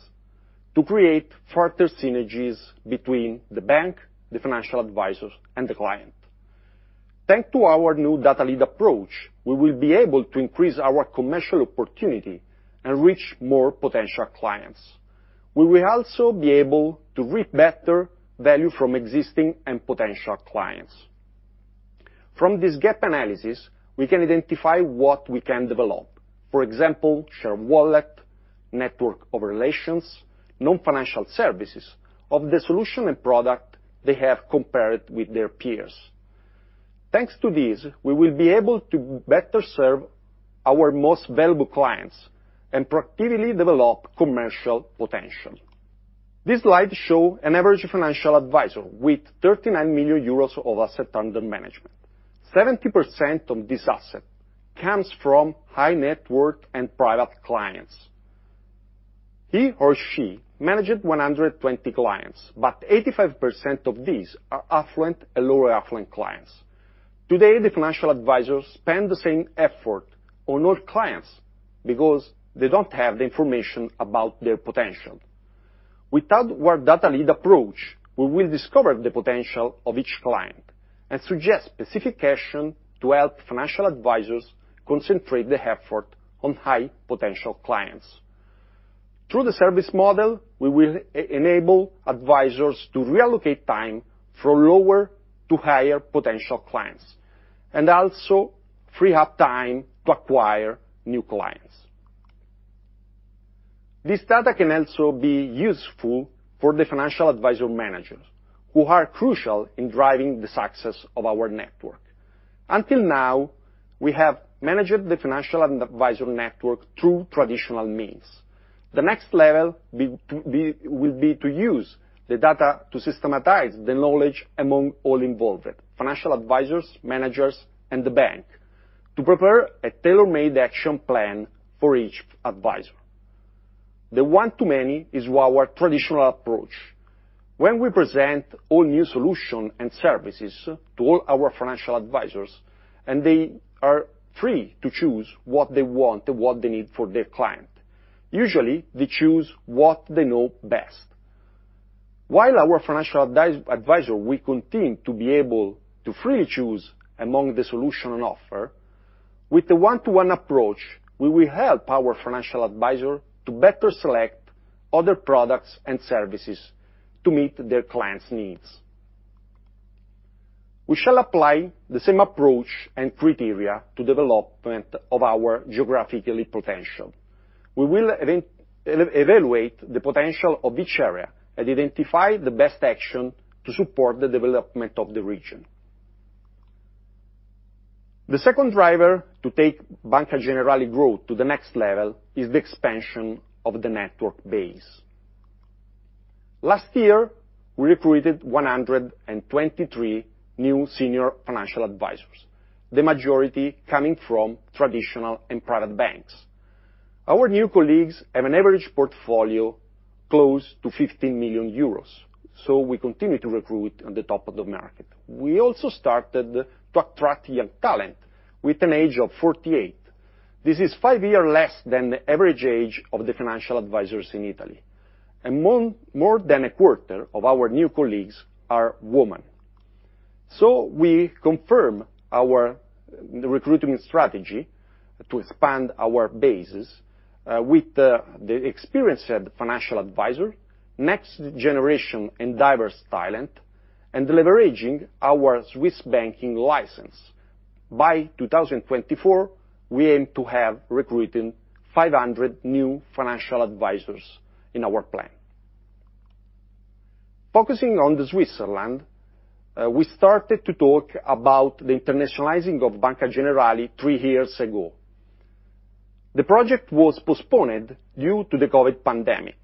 to create further synergies between the bank, the financial advisors, and the client. Thanks to our new data-led approach, we will be able to increase our commercial opportunity and reach more potential clients. We will also be able to reap better value from existing and potential clients. From this gap analysis, we can identify what we can develop. For example, shared wallet, network of relations, non-financial services of the solution and product they have compared with their peers. Thanks to this, we will be able to better serve our most valuable clients and proactively develop commercial potential. This slide shows an average financial advisor with 39 million euros of assets under management. 70% of this asset comes from high-net-worth and private clients. He or she managed 120 clients, but 85% of these are affluent and lower affluent clients. Today, the financial advisors spend the same effort on all clients because they don't have the information about their potential. Without our data-led approach, we will discover the potential of each client and suggest specific action to help financial advisors concentrate the effort on high-potential clients. Through the service model, we will e-enable advisors to reallocate time from lower to higher potential clients, and also free up time to acquire new clients. This data can also be useful for the financial advisor managers who are crucial in driving the success of our network. Until now, we have managed the financial and advisor network through traditional means. The next level will be to use the data to systematize the knowledge among all involved, financial advisors, managers, and the bank, to prepare a tailor-made action plan for each advisor. The one-to-many is our traditional approach. When we present all new solution and services to all our financial advisors, and they are free to choose what they want and what they need for their client, usually they choose what they know best. While our financial advisor will continue to be able to freely choose among the solutions on offer, with the one-to-one approach, we will help our financial advisor to better select other products and services to meet their clients' needs. We shall apply the same approach and criteria to development of our geographic potential. We will evaluate the potential of each area and identify the best action to support the development of the region. The second driver to take Banca Generali growth to the next level is the expansion of the network base. Last year, we recruited 123 new senior financial advisors, the majority coming from traditional and private banks. Our new colleagues have an average portfolio close to 50 million euros, so we continue to recruit on the top of the market. We also started to attract young talent with an age of 48. This is five years less than the average age of the financial advisors in Italy. More than a quarter of our new colleagues are women. We confirm our recruiting strategy to expand our bases with the experienced financial advisor, next generation and diverse talent, and leveraging our Swiss banking license. By 2024, we aim to have recruited 500 new financial advisors in our plan. Focusing on Switzerland, we started to talk about the internationalizing of Banca Generali three years ago. The project was postponed due to the COVID pandemic,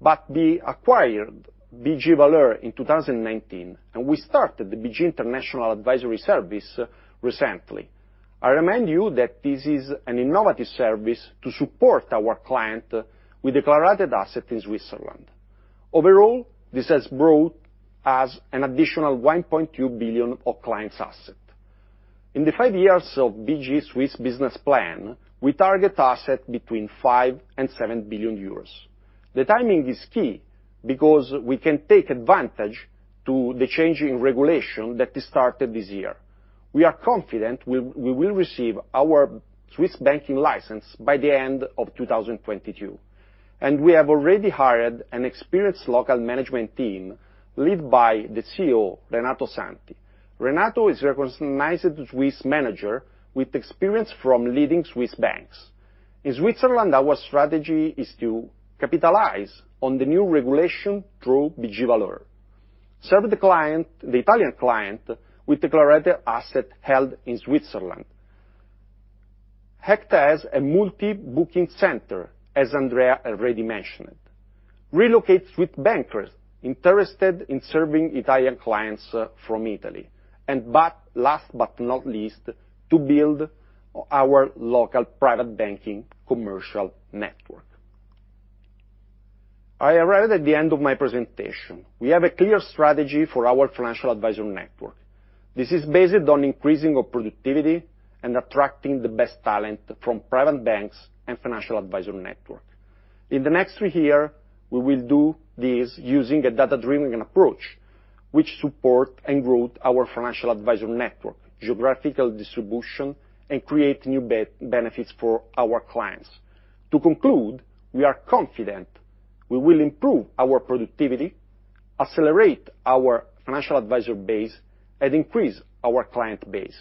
but we acquired BG Valeur in 2019, and we started the BG International Advisory Service recently. I remind you that this is an innovative service to support our client with declared asset in Switzerland. Overall, this has brought us an additional 1.2 billion of clients' assets. In the five years of BG Swiss business plan, we target assets between 5 billion and 7 billion euros. The timing is key because we can take advantage of the change in regulation that started this year. We are confident we will receive our Swiss banking license by the end of 2022, and we have already hired an experienced local management team led by the CEO, Renato Santi. Renato is a recognized Swiss manager with experience from leading Swiss banks. In Switzerland, our strategy is to capitalize on the new regulation through BG Valeur, serve the client, the Italian client with declared assets held in Switzerland, act as a multi-booking center, as Andrea already mentioned, and relocate Swiss bankers interested in serving Italian clients from Italy. Last but not least, to build our local private banking commercial network. I arrived at the end of my presentation. We have a clear strategy for our financial advisor network. This is based on increasing of productivity and attracting the best talent from private banks and financial advisor network. In the next three year, we will do this using a data-driven approach which support and grow our financial advisor network, geographical distribution, and create new benefits for our clients. To conclude, we are confident we will improve our productivity, accelerate our financial advisor base, and increase our client base.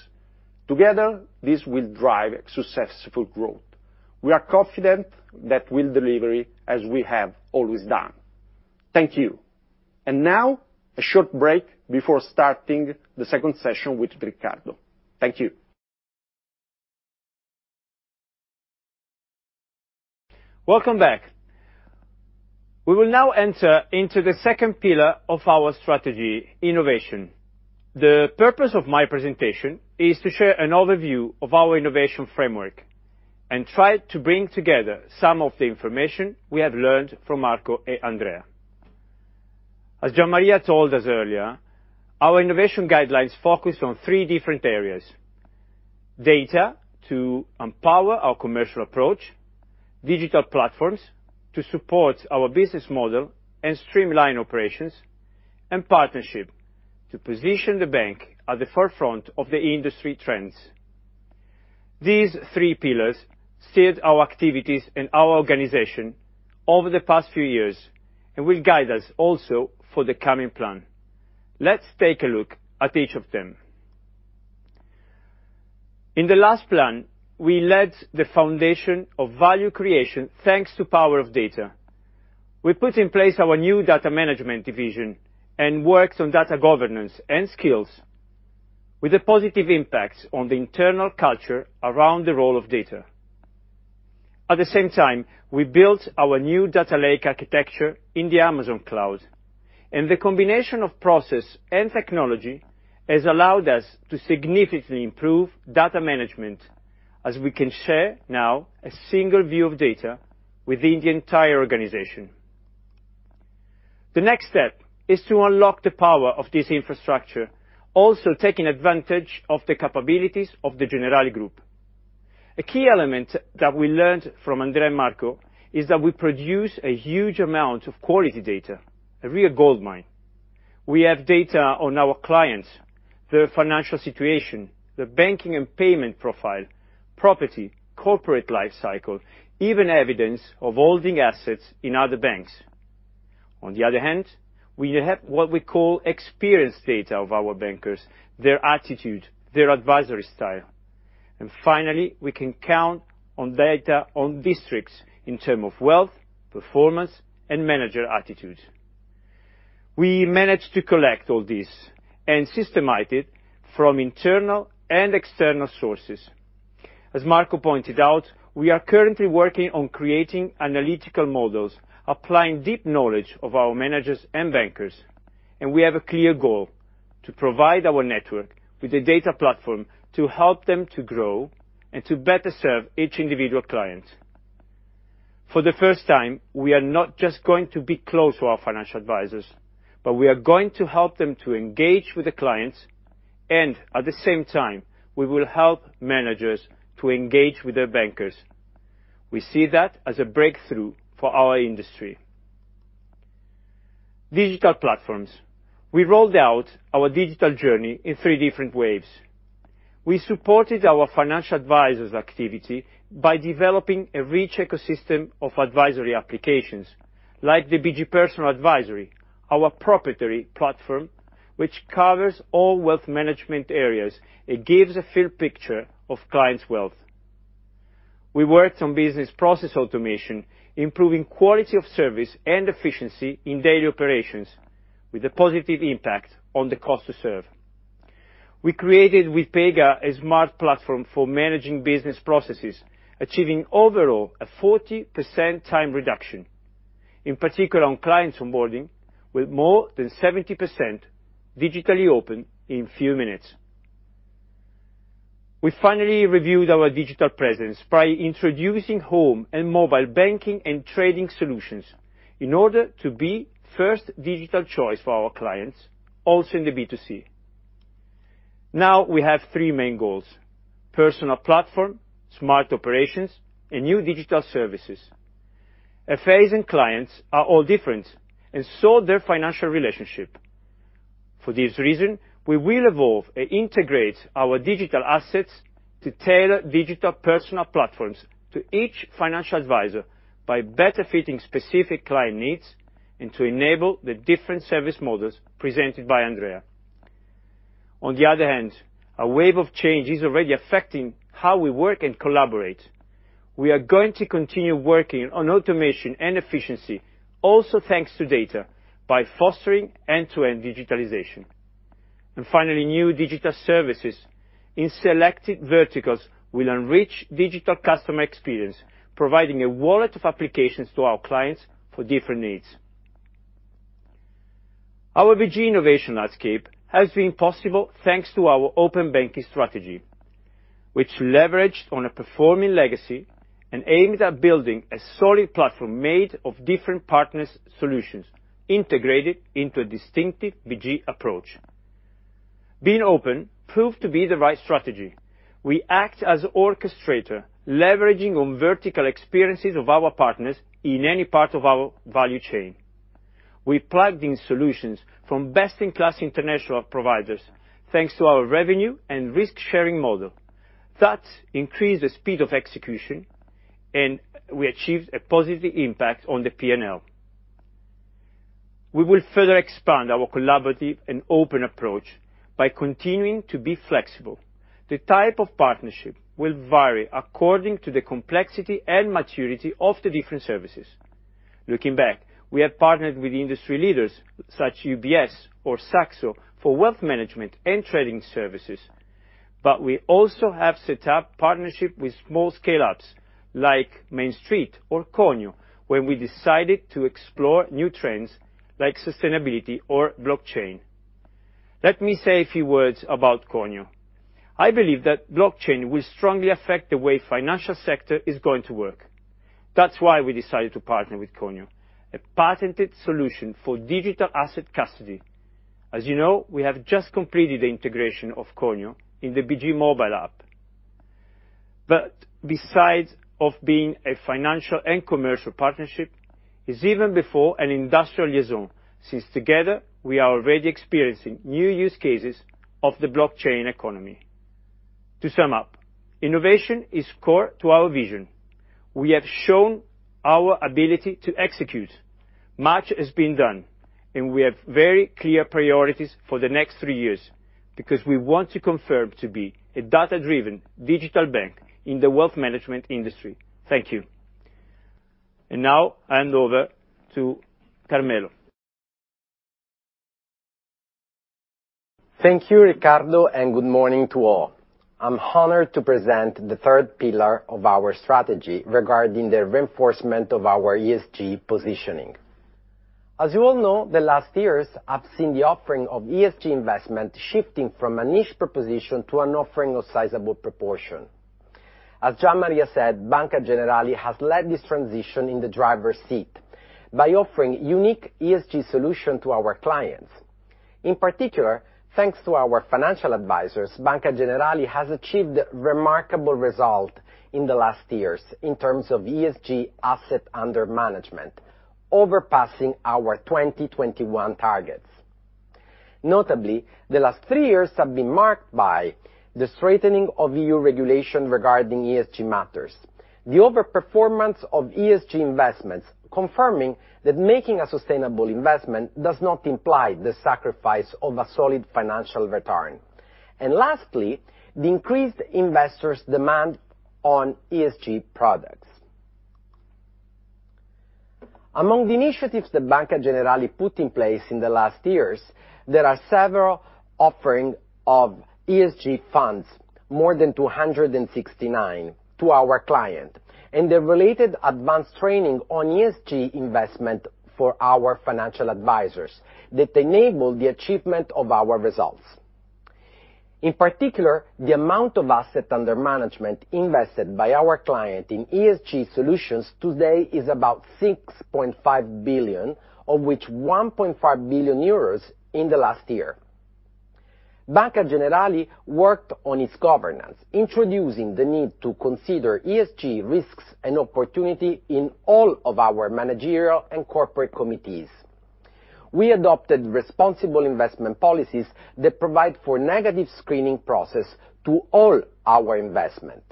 Together, this will drive successful growth. We are confident that we'll deliver it as we have always done. Thank you. Now, a short break before starting the second session with Riccardo. Thank you. Welcome back. We will now enter into the second pillar of our strategy, innovation. The purpose of my presentation is to share an overview of our innovation framework and try to bring together some of the information we have learned from Marco and Andrea. As Gian Maria told us earlier, our innovation guidelines focus on three different areas: data to empower our commercial approach, digital platforms to support our business model and streamline operations, and partnership to position the bank at the forefront of the industry trends. These three pillars steered our activities and our organization over the past few years and will guide us also for the coming plan. Let's take a look at each of them. In the last plan, we laid the foundation of value creation thanks to power of data. We put in place our new data management division and worked on data governance and skills with a positive impact on the internal culture around the role of data. At the same time, we built our new data lake architecture in the Amazon cloud, and the combination of process and technology has allowed us to significantly improve data management as we can share now a single view of data within the entire organization. The next step is to unlock the power of this infrastructure, also taking advantage of the capabilities of the Generali Group. A key element that we learned from Andrea and Marco is that we produce a huge amount of quality data, a real goldmine. We have data on our clients, their financial situation, their banking and payment profile, property, corporate life cycle, even evidence of holding assets in other banks. On the other hand, we have what we call experience data of our bankers, their attitude, their advisory style. Finally, we can count on data on districts in terms of wealth, performance, and manager attitude. We managed to collect all this and systematize it from internal and external sources. As Marco pointed out, we are currently working on creating analytical models, applying deep knowledge of our managers and bankers, and we have a clear goal, to provide our network with a data platform to help them to grow and to better serve each individual client. For the first time, we are not just going to be close to our financial advisors, but we are going to help them to engage with the clients and, at the same time, we will help managers to engage with their bankers. We see that as a breakthrough for our industry. Digital platforms. We rolled out our digital journey in three different waves. We supported our financial advisors' activity by developing a rich ecosystem of advisory applications, like the BG Personal Advisory, our proprietary platform, which covers all wealth management areas. It gives a full picture of clients' wealth. We worked on business process automation, improving quality of service and efficiency in daily operations with a positive impact on the cost to serve. We created with Pega a smart platform for managing business processes, achieving overall a 40% time reduction, in particular on clients onboarding, with more than 70% digitally open in few minutes. We finally reviewed our digital presence by introducing home and mobile banking and trading solutions in order to be first digital choice for our clients also in the B2C. Now we have three main goals, personal platform, smart operations, and new digital services. FAs and clients are all different, and so their financial relationship. For this reason, we will evolve and integrate our digital assets to tailor digital personal platforms to each financial advisor by better fitting specific client needs and to enable the different service models presented by Andrea. On the other hand, a wave of change is already affecting how we work and collaborate. We are going to continue working on automation and efficiency also thanks to data by fostering end-to-end digitalization. Finally, new digital services in selected verticals will enrich digital customer experience, providing a wallet of applications to our clients for different needs. Our BG innovation landscape has been possible thanks to our open banking strategy, which leveraged on a performing legacy and aimed at building a solid platform made of different partners' solutions integrated into a distinctive BG approach. Being open proved to be the right strategy. We act as orchestrator, leveraging on vertical experiences of our partners in any part of our value chain. We plugged in solutions from best-in-class international providers, thanks to our revenue and risk-sharing model. That increased the speed of execution, and we achieved a positive impact on the P&L. We will further expand our collaborative and open approach by continuing to be flexible. The type of partnership will vary according to the complexity and maturity of the different services. Looking back, we have partnered with industry leaders, such as UBS or Saxo for wealth management and trading services, but we also have set up partnership with small scale-ups, like MainStreet Partners or Conio, when we decided to explore new trends like sustainability or blockchain. Let me say a few words about Conio. I believe that blockchain will strongly affect the way financial sector is going to work. That's why we decided to partner with Conio, a patented solution for digital asset custody. As you know, we have just completed the integration of Conio in the BG mobile app. Besides of being a financial and commercial partnership, it's even before an industrial liaison, since together we are already experiencing new use cases of the blockchain economy. To sum up, innovation is core to our vision. We have shown our ability to execute. Much has been done, and we have very clear priorities for the next three years, because we want to confirm to be a data-driven digital bank in the wealth management industry. Thank you. Now I hand over to Carmelo. Thank you, Riccardo, and good morning to all. I'm honored to present the third pillar of our strategy regarding the reinforcement of our ESG positioning. As you all know, the last years have seen the offering of ESG investment shifting from a niche proposition to an offering of sizable proportion. As Gian Maria said, Banca Generali has led this transition in the driver's seat by offering unique ESG solution to our clients. In particular, thanks to our financial advisors, Banca Generali has achieved remarkable result in the last years in terms of ESG asset under management, surpassing our 2021 targets. Notably, the last three years have been marked by the strengthening of EU regulation regarding ESG matters, the overperformance of ESG investments, confirming that making a sustainable investment does not imply the sacrifice of a solid financial return, and lastly, the increased investors' demand on ESG products. Among the initiatives that Banca Generali put in place in the last years, there are several offerings of ESG funds, more than 269, to our clients, and the related advanced training on ESG investment for our financial advisors that enable the achievement of our results. In particular, the amount of assets under management invested by our clients in ESG solutions today is about 6.5 billion, of which 1.5 billion euros in the last year. Banca Generali worked on its governance, introducing the need to consider ESG risks and opportunities in all of our managerial and corporate committees. We adopted responsible investment policies that provide for negative screening processes to all our investments.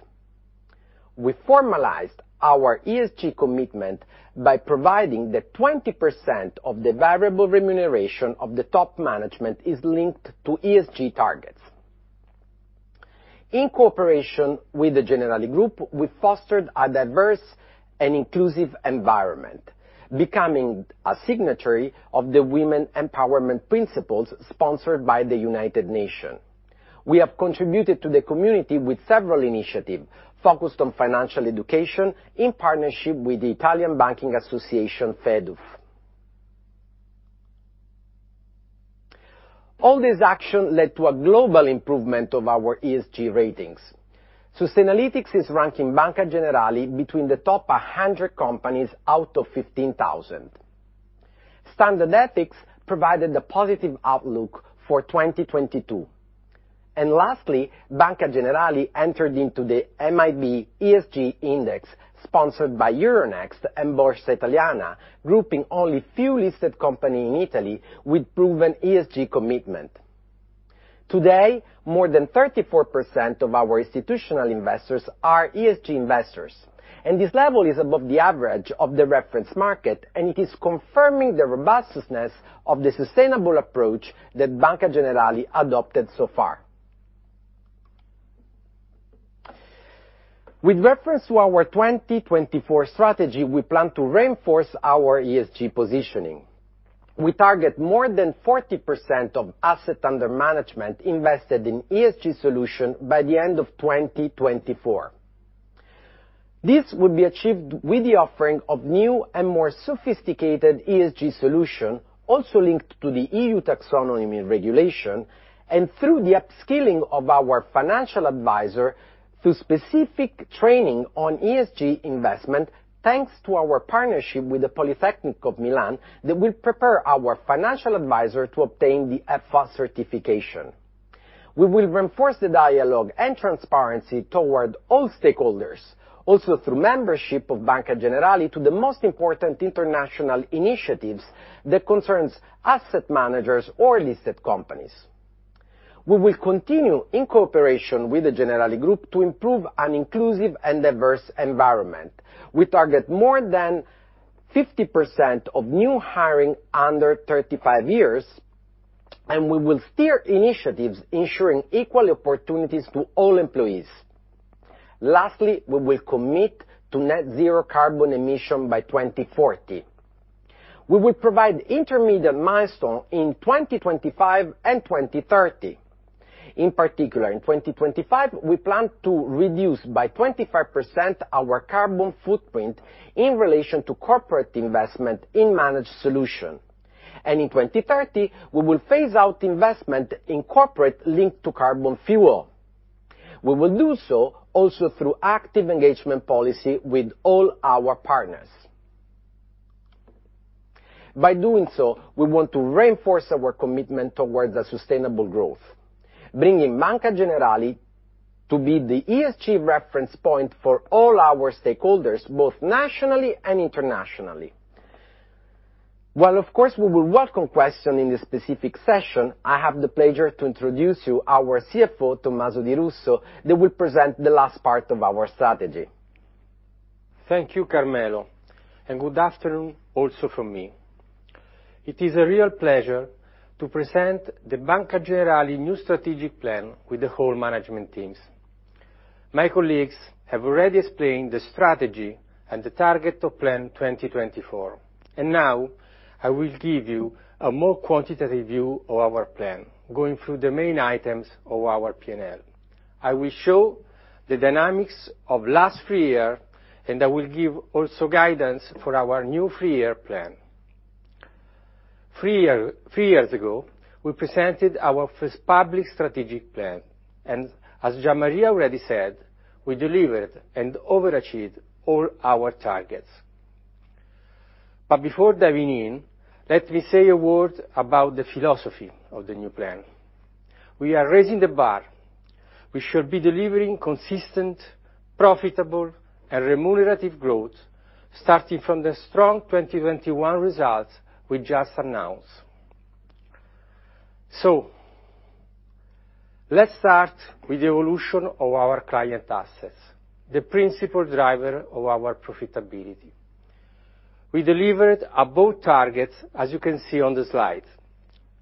We formalized our ESG commitment by providing that 20% of the variable remuneration of the top management is linked to ESG targets. In cooperation with the Generali Group, we fostered a diverse and inclusive environment, becoming a signatory of the Women's Empowerment Principles sponsored by the United Nations. We have contributed to the community with several initiatives focused on financial education in partnership with the Italian Banking Association, FEduF. All this action led to a global improvement of our ESG ratings. Sustainalytics is ranking Banca Generali between the top 100 companies out of 15,000. Standard Ethics provided a positive outlook for 2022. Lastly, Banca Generali entered into the MIB ESG Index, sponsored by Euronext and Borsa Italiana, grouping only a few listed companies in Italy with proven ESG commitment. Today, more than 34% of our institutional investors are ESG investors, and this level is above the average of the reference market, and it is confirming the robustness of the sustainable approach that Banca Generali adopted so far. With reference to our 2024 strategy, we plan to reinforce our ESG positioning. We target more than 40% of assets under management invested in ESG solutions by the end of 2024. This will be achieved with the offering of new and more sophisticated ESG solutions, also linked to the EU taxonomy regulation, and through the upskilling of our financial advisors through specific training on ESG investment, thanks to our partnership with the Politecnico di Milano, that will prepare our financial advisors to obtain the FA certification. We will reinforce the dialogue and transparency toward all stakeholders, also through membership of Banca Generali to the most important international initiatives that concerns asset managers or listed companies. We will continue in cooperation with the Generali Group to improve an inclusive and diverse environment. We target more than 50% of new hiring under 35 years, and we will steer initiatives ensuring equal opportunities to all employees. Lastly, we will commit to net zero carbon emission by 2040. We will provide intermediate milestone in 2025 and 2030. In particular, in 2025, we plan to reduce by 25% our carbon footprint in relation to corporate investment in managed solution. In 2030, we will phase out investment in corporate linked to carbon fuel. We will do so also through active engagement policy with all our partners. By doing so, we want to reinforce our commitment towards a sustainable growth, bringing Banca Generali to be the ESG reference point for all our stakeholders, both nationally and internationally. While of course, we will welcome question in this specific session, I have the pleasure to introduce you our CFO, Tommaso Di Russo, that will present the last part of our strategy. Thank you, Carmelo, and good afternoon also from me. It is a real pleasure to present the Banca Generali new strategic plan with the whole management teams. My colleagues have already explained the strategy and the target of plan 2024, and now I will give you a more quantitative view of our plan, going through the main items of our P&L. I will show the dynamics of last three years, and I will give also guidance for our new three-year plan. Three years ago, we presented our first public strategic plan, and as Gian Maria already said, we delivered and overachieved all our targets. Before diving in, let me say a word about the philosophy of the new plan. We are raising the bar. We should be delivering consistent, profitable, and remunerative growth, starting from the strong 2021 results we just announced. Let's start with the evolution of our client assets, the principal driver of our profitability. We delivered above targets, as you can see on the slide.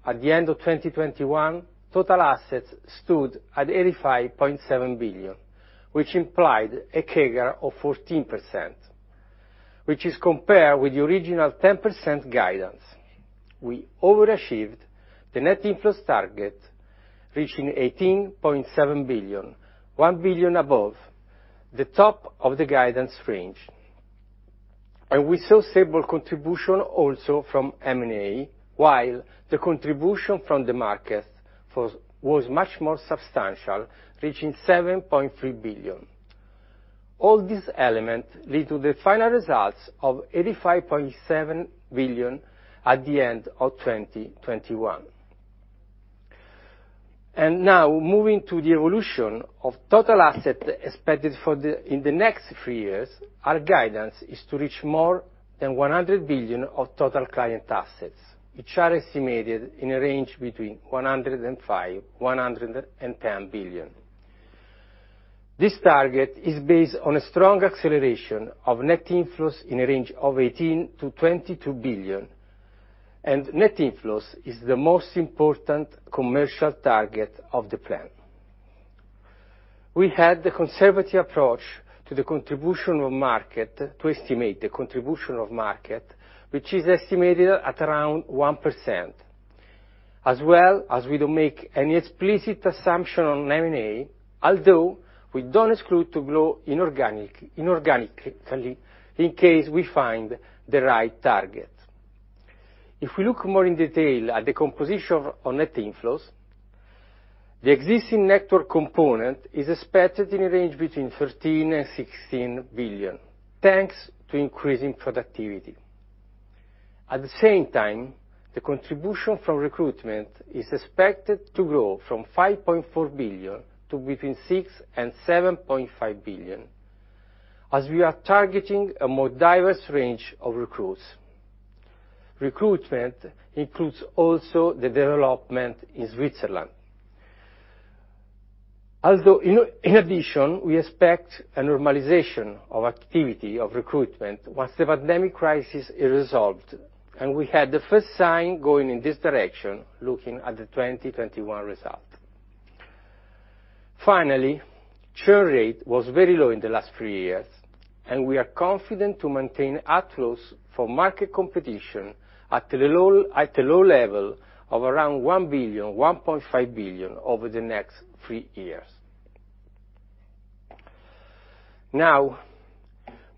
At the end of 2021, total assets stood at 85.7 billion, which implied a CAGR of 14%, which is compared with the original 10% guidance. We overachieved the net inflows target, reaching 18.7 billion, 1 billion above the top of the guidance range. We saw stable contribution also from M&A, while the contribution from the market was much more substantial, reaching 7.3 billion. All this element lead to the final results of 85.7 billion at the end of 2021. Now, moving to the evolution of total assets expected in the next three years, our guidance is to reach more than 100 billion of total client assets, which are estimated in a range between 105 billion and 110 billion. This target is based on a strong acceleration of net inflows in a range of 18 billion-22 billion, and net inflows is the most important commercial target of the plan. We have a conservative approach to estimate the contribution of market, which is estimated at around 1%, as well, we don't make any explicit assumption on M&A, although we don't exclude to grow inorganically in case we find the right target. If we look more in detail at the composition of net inflows, the existing network component is expected in a range between 13 billion and 16 billion, thanks to increasing productivity. At the same time, the contribution from recruitment is expected to grow from 5.4 billion to between 6 billion and 7.5 billion, as we are targeting a more diverse range of recruits. Recruitment includes also the development in Switzerland. Although, in addition, we expect a normalization of activity of recruitment once the pandemic crisis is resolved, and we had the first sign going in this direction, looking at the 2021 result. Finally, churn rate was very low in the last three years, and we are confident to maintain outflows for market competition at a low level of around 1 billion-1.5 billion over the next three years. Now,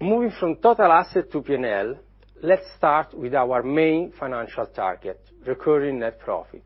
moving from total assets to P&L, let's start with our main financial target, recurring net profit.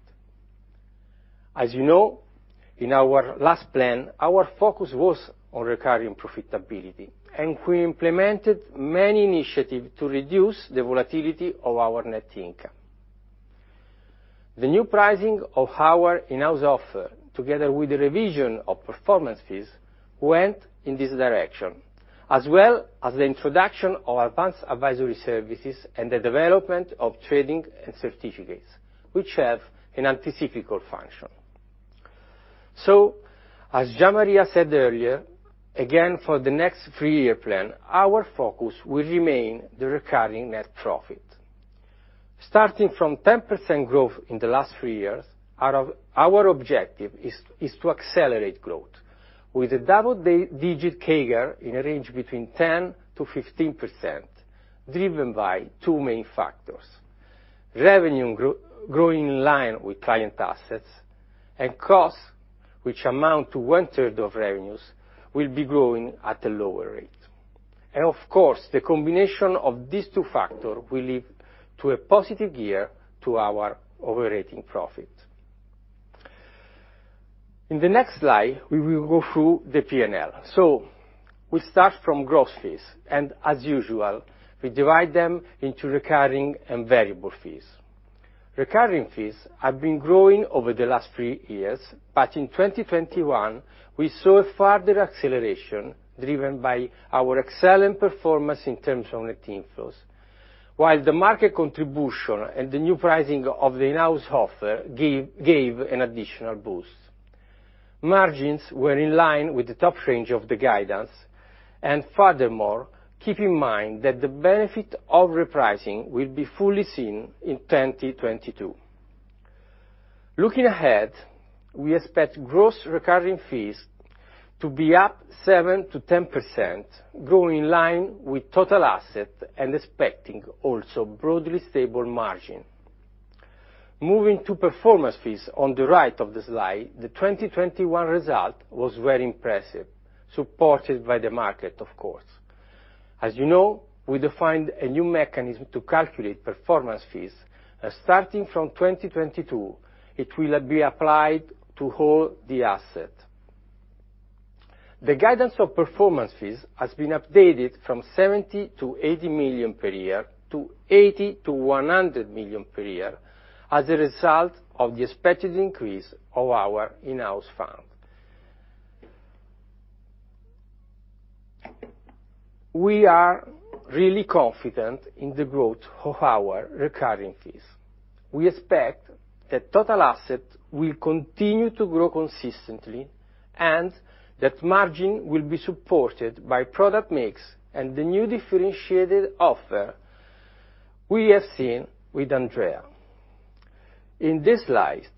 As you know, in our last plan, our focus was on recurring profitability, and we implemented many initiatives to reduce the volatility of our net income. The new pricing of our in-house offer, together with the revision of performance fees, went in this direction, as well as the introduction of advanced advisory services and the development of trading and certificates, which have an anti-cyclical function. As Gian Maria said earlier, again, for the next three-year plan, our focus will remain the recurring net profit. Starting from 10% growth in the last three years, our objective is to accelerate growth with a double-digit CAGR in a range between 10%-15%, driven by two main factors. Revenue growing in line with client assets and costs, which amount to one third of revenues, will be growing at a lower rate. Of course, the combination of these two factors will lead to a positive year-on-year operating profit. In the next slide, we will go through the P&L. We start from gross fees, and as usual, we divide them into recurring and variable fees. Recurring fees have been growing over the last three years, but in 2021 we saw a further acceleration driven by our excellent performance in terms of net inflows. The market contribution and the new pricing of the in-house offer gave an additional boost. Margins were in line with the top range of the guidance. Furthermore, keep in mind that the benefit of repricing will be fully seen in 2022. Looking ahead, we expect gross recurring fees to be up 7%-10%, growing in line with total assets and expecting also broadly stable margin. Moving to performance fees on the right of the slide, the 2021 result was very impressive, supported by the market, of course. As you know, we defined a new mechanism to calculate performance fees, and starting from 2022 it will be applied to the whole asset. The guidance of performance fees has been updated from 70 million-80 million per year to 80 million-100 million per year as a result of the expected increase of our in-house fund. We are really confident in the growth of our recurring fees. We expect that total assets will continue to grow consistently, and that margin will be supported by product mix and the new differentiated offer we have seen with Andrea. In this slide,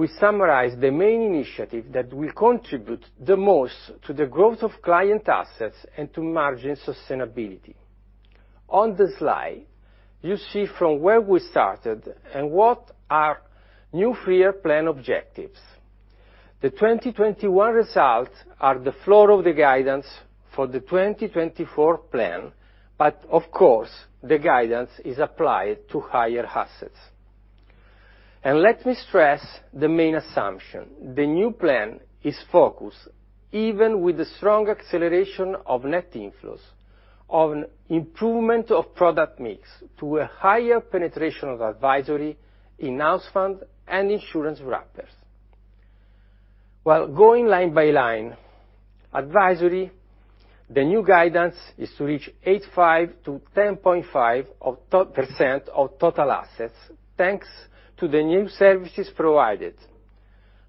we summarize the main initiative that will contribute the most to the growth of client assets and to margin sustainability. On the slide, you see from where we started and what are new three-year plan objectives. The 2021 results are the floor of the guidance for the 2024 plan, but of course, the guidance is applied to higher assets. Let me stress the main assumption. The new plan is focused, even with the strong acceleration of net inflows, on improvement of product mix to a higher penetration of advisory in house fund and insurance wrappers. While going line by line, advisory, the new guidance is to reach 8.5%-10.5% of total assets, thanks to the new services provided.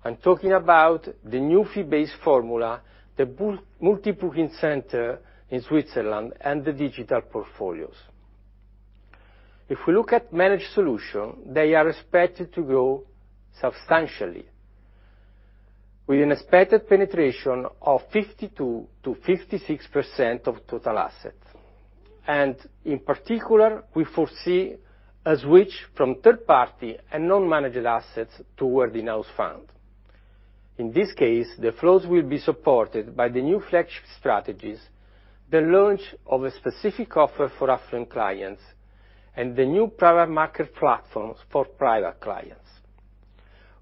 I'm talking about the new fee-based formula, the multi-booking center in Switzerland, and the digital portfolios. If we look at managed solution, they are expected to grow substantially with an expected penetration of 52%-56% of total assets. In particular, we foresee a switch from third-party and non-managed assets toward in-house fund. In this case, the flows will be supported by the new flagship strategies, the launch of a specific offer for affluent clients, and the new private market platforms for private clients.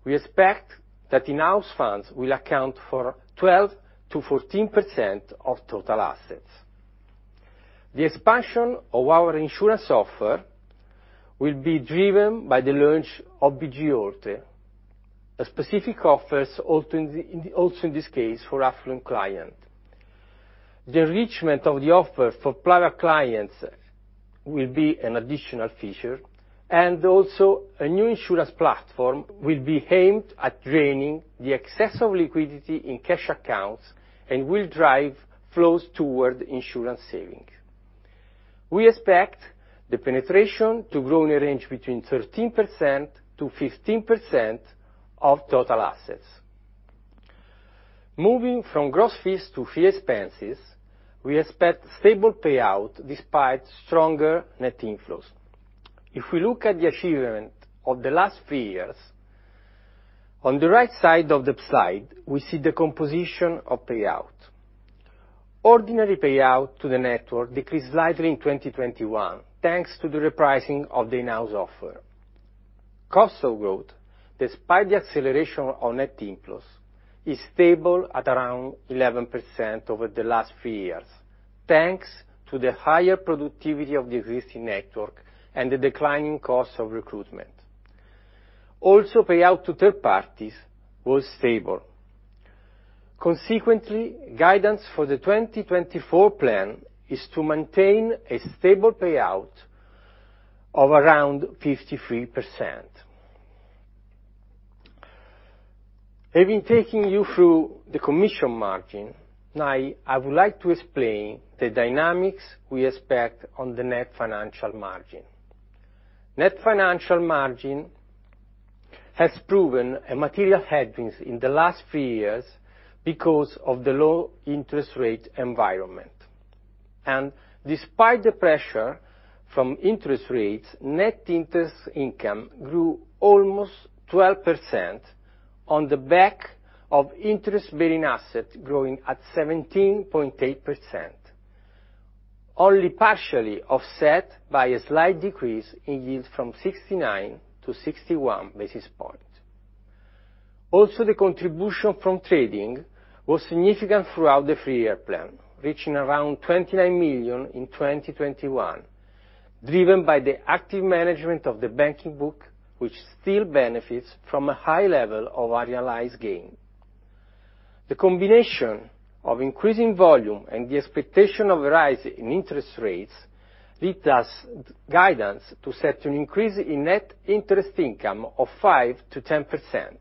We expect that in-house funds will account for 12%-14% of total assets. The expansion of our insurance offer will be driven by the launch of BG Oltre, a specific offer also in this case for affluent clients. The enrichment of the offer for private clients will be an additional feature, and also a new insurance platform will be aimed at draining the excess of liquidity in cash accounts and will drive flows toward insurance saving. We expect the penetration to grow in a range between 13% to 15% of total assets. Moving from gross fees to fee expenses, we expect stable payout despite stronger net inflows. If we look at the achievement of the last three years, on the right side of the slide we see the composition of payout. Ordinary payout to the network decreased slightly in 2021, thanks to the repricing of the in-house offer. Cost of growth, despite the acceleration of net inflows, is stable at around 11% over the last three years, thanks to the higher productivity of the existing network and the declining cost of recruitment. Also, payout to third parties was stable. Consequently, guidance for the 2024 plan is to maintain a stable payout of around 53%. Having taken you through the commission margin, now I would like to explain the dynamics we expect on the net financial margin. Net financial margin has proven a material headwind in the last three years because of the low interest rate environment. Despite the pressure from interest rates, net interest income grew almost 12% on the back of interest-bearing assets growing at 17.8%, only partially offset by a slight decrease in yield from 69 to 61 basis points. The contribution from trading was significant throughout the three-year plan, reaching around 29 million in 2021, driven by the active management of the banking book, which still benefits from a high level of realized gain. The combination of increasing volume and the expectation of a rise in interest rates leads our guidance to set an increase in net interest income of 5%-10%.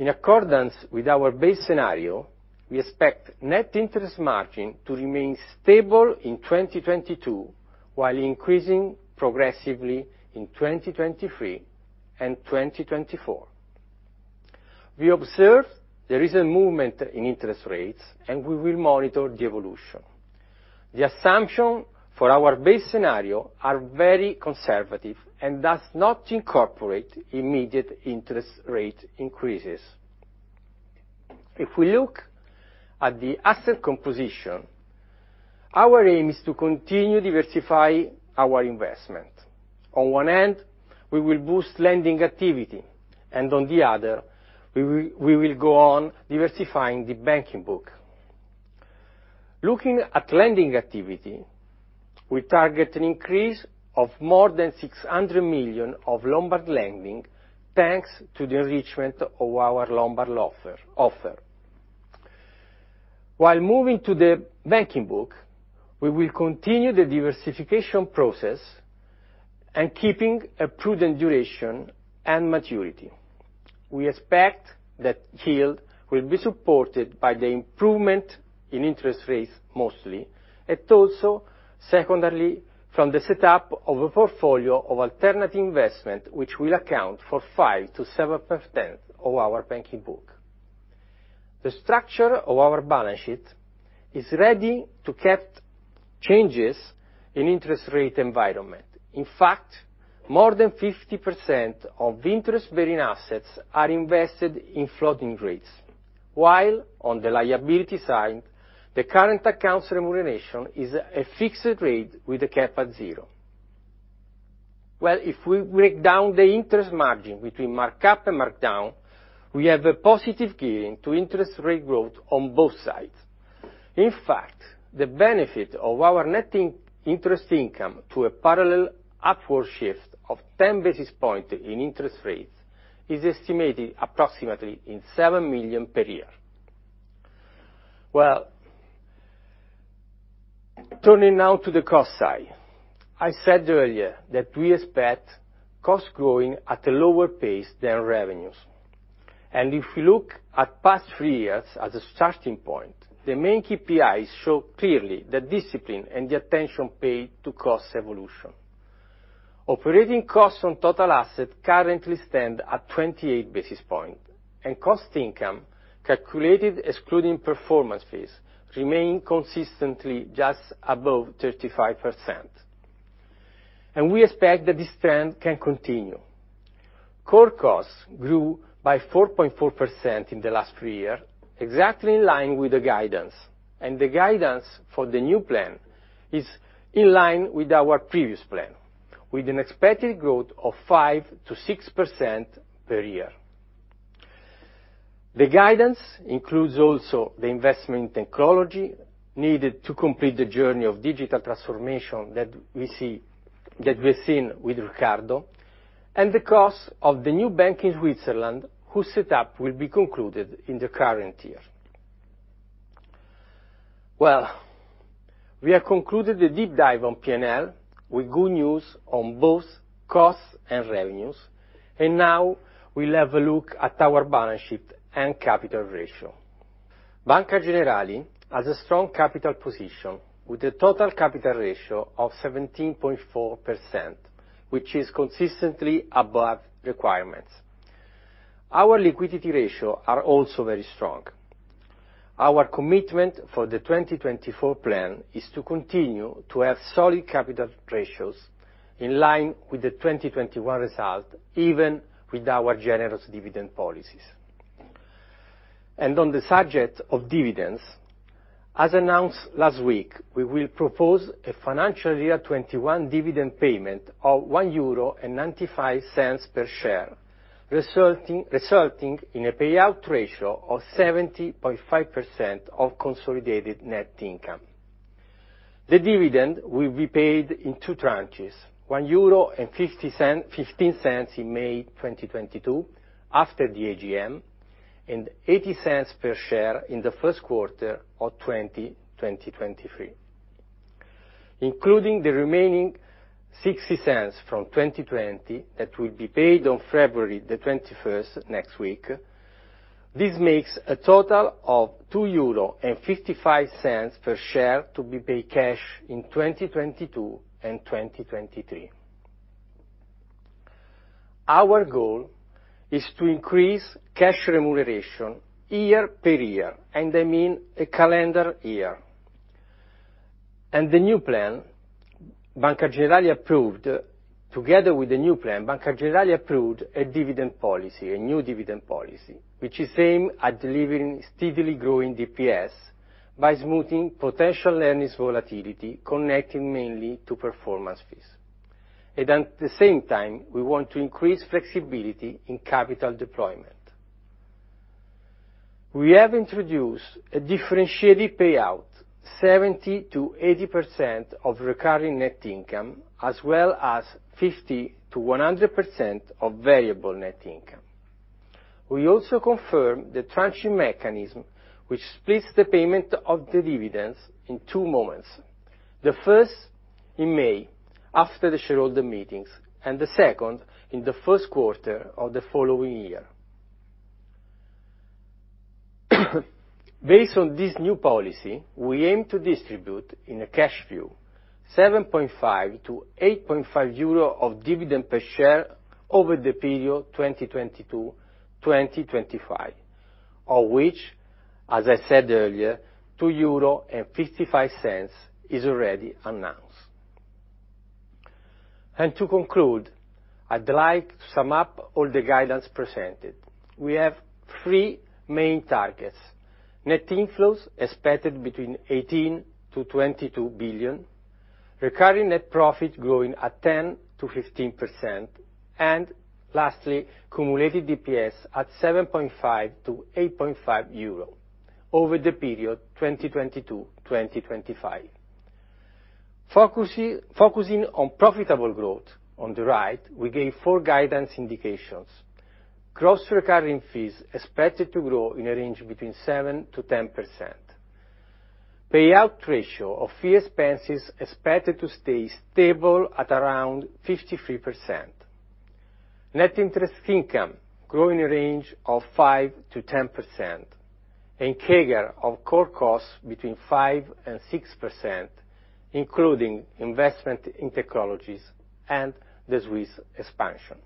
In accordance with our base scenario, we expect net interest margin to remain stable in 2022, while increasing progressively in 2023 and 2024. We observe there is a movement in interest rates, and we will monitor the evolution. The assumptions for our base scenario are very conservative and do not incorporate immediate interest rate increases. If we look at the asset composition, our aim is to continue to diversify our investment. On one end, we will boost lending activity, and on the other, we will go on diversifying the banking book. Looking at lending activity, we target an increase of more than 600 million of Lombard lending, thanks to the enrichment of our Lombard offer. While moving to the banking book, we will continue the diversification process and keeping a prudent duration and maturity. We expect that yield will be supported by the improvement in interest rates mostly, and also secondarily from the setup of a portfolio of alternative investment which will account for 5%-7% of our banking book. The structure of our balance sheet is ready to get changes in interest rate environment. In fact, more than 50% of interest-bearing assets are invested in floating rates, while on the liability side, the current accounts remuneration is a fixed rate with a cap at zero. Well, if we break down the interest margin between mark-up and mark-down, we have a positive gearing to interest rate growth on both sides. In fact, the benefit of our net interest income to a parallel upward shift of ten basis points in interest rates is estimated approximately in 7 million per year. Well, turning now to the cost side. I said earlier that we expect costs growing at a lower pace than revenues. If we look at past three years as a starting point, the main KPIs show clearly the discipline and the attention paid to cost evolution. Operating costs on total assets currently stand at 28 basis points, and cost income, calculated excluding performance fees, remain consistently just above 35%. We expect that this trend can continue. Core costs grew by 4.4% in the last three years, exactly in line with the guidance, and the guidance for the new plan is in line with our previous plan, with an expected growth of 5%-6% per year. The guidance includes also the investment in technology needed to complete the journey of digital transformation that we've seen with Riccardo, and the cost of the new bank in Switzerland, whose setup will be concluded in the current year. Well, we have concluded the deep dive on P&L with good news on both costs and revenues, and now we'll have a look at our balance sheet and capital ratio. Banca Generali has a strong capital position, with a total capital ratio of 17.4%, which is consistently above requirements. Our liquidity ratio are also very strong. Our commitment for the 2024 plan is to continue to have solid capital ratios in line with the 2021 result, even with our generous dividend policies. On the subject of dividends, as announced last week, we will propose a financial year 2021 dividend payment of 1.95 euro per share, resulting in a payout ratio of 70.5% of consolidated net income. The dividend will be paid in two tranches, 1.15 euro in May 2022, after the AGM, and 0.80 per share in the first quarter of 2023. Including the remaining 0.60 from 2020 that will be paid on February 21, next week. This makes a total of 2.55 euros per share to be paid cash in 2022 and 2023. Our goal is to increase cash remuneration year per year, and I mean a calendar year. The new plan, Banca Generali approved—Together with the new plan, Banca Generali approved a dividend policy, a new dividend policy, which is aimed at delivering steadily growing DPS by smoothing potential earnings volatility connecting mainly to performance fees. At the same time, we want to increase flexibility in capital deployment. We have introduced a differentiated payout, 70%-80% of recurring net income, as well as 50%-100% of variable net income. We also confirm the tranching mechanism, which splits the payment of the dividends in two moments. The first in May, after the shareholder meetings, and the second in the first quarter of the following year. Based on this new policy, we aim to distribute in a cash view 7.5-8.5 euro of dividend per share over the period 2022-2025, of which, as I said earlier, 2.55 euros is already announced. To conclude, I'd like to sum up all the guidance presented. We have three main targets. Net inflows expected between 18 billion and 22 billion, recurring net profit growing at 10%-15%, and lastly, cumulative DPS at 7.5-8.5 euro over the period 2022-2025. Focusing on profitable growth on the right, we gave four guidance indications. Gross recurring fees expected to grow in a range between 7%-10%. Payout ratio of fee expenses expected to stay stable at around 53%. Net interest income grow in a range of 5%-10%, and CAGR of core costs between 5%-6%, including investment in technologies and the Swiss expansion.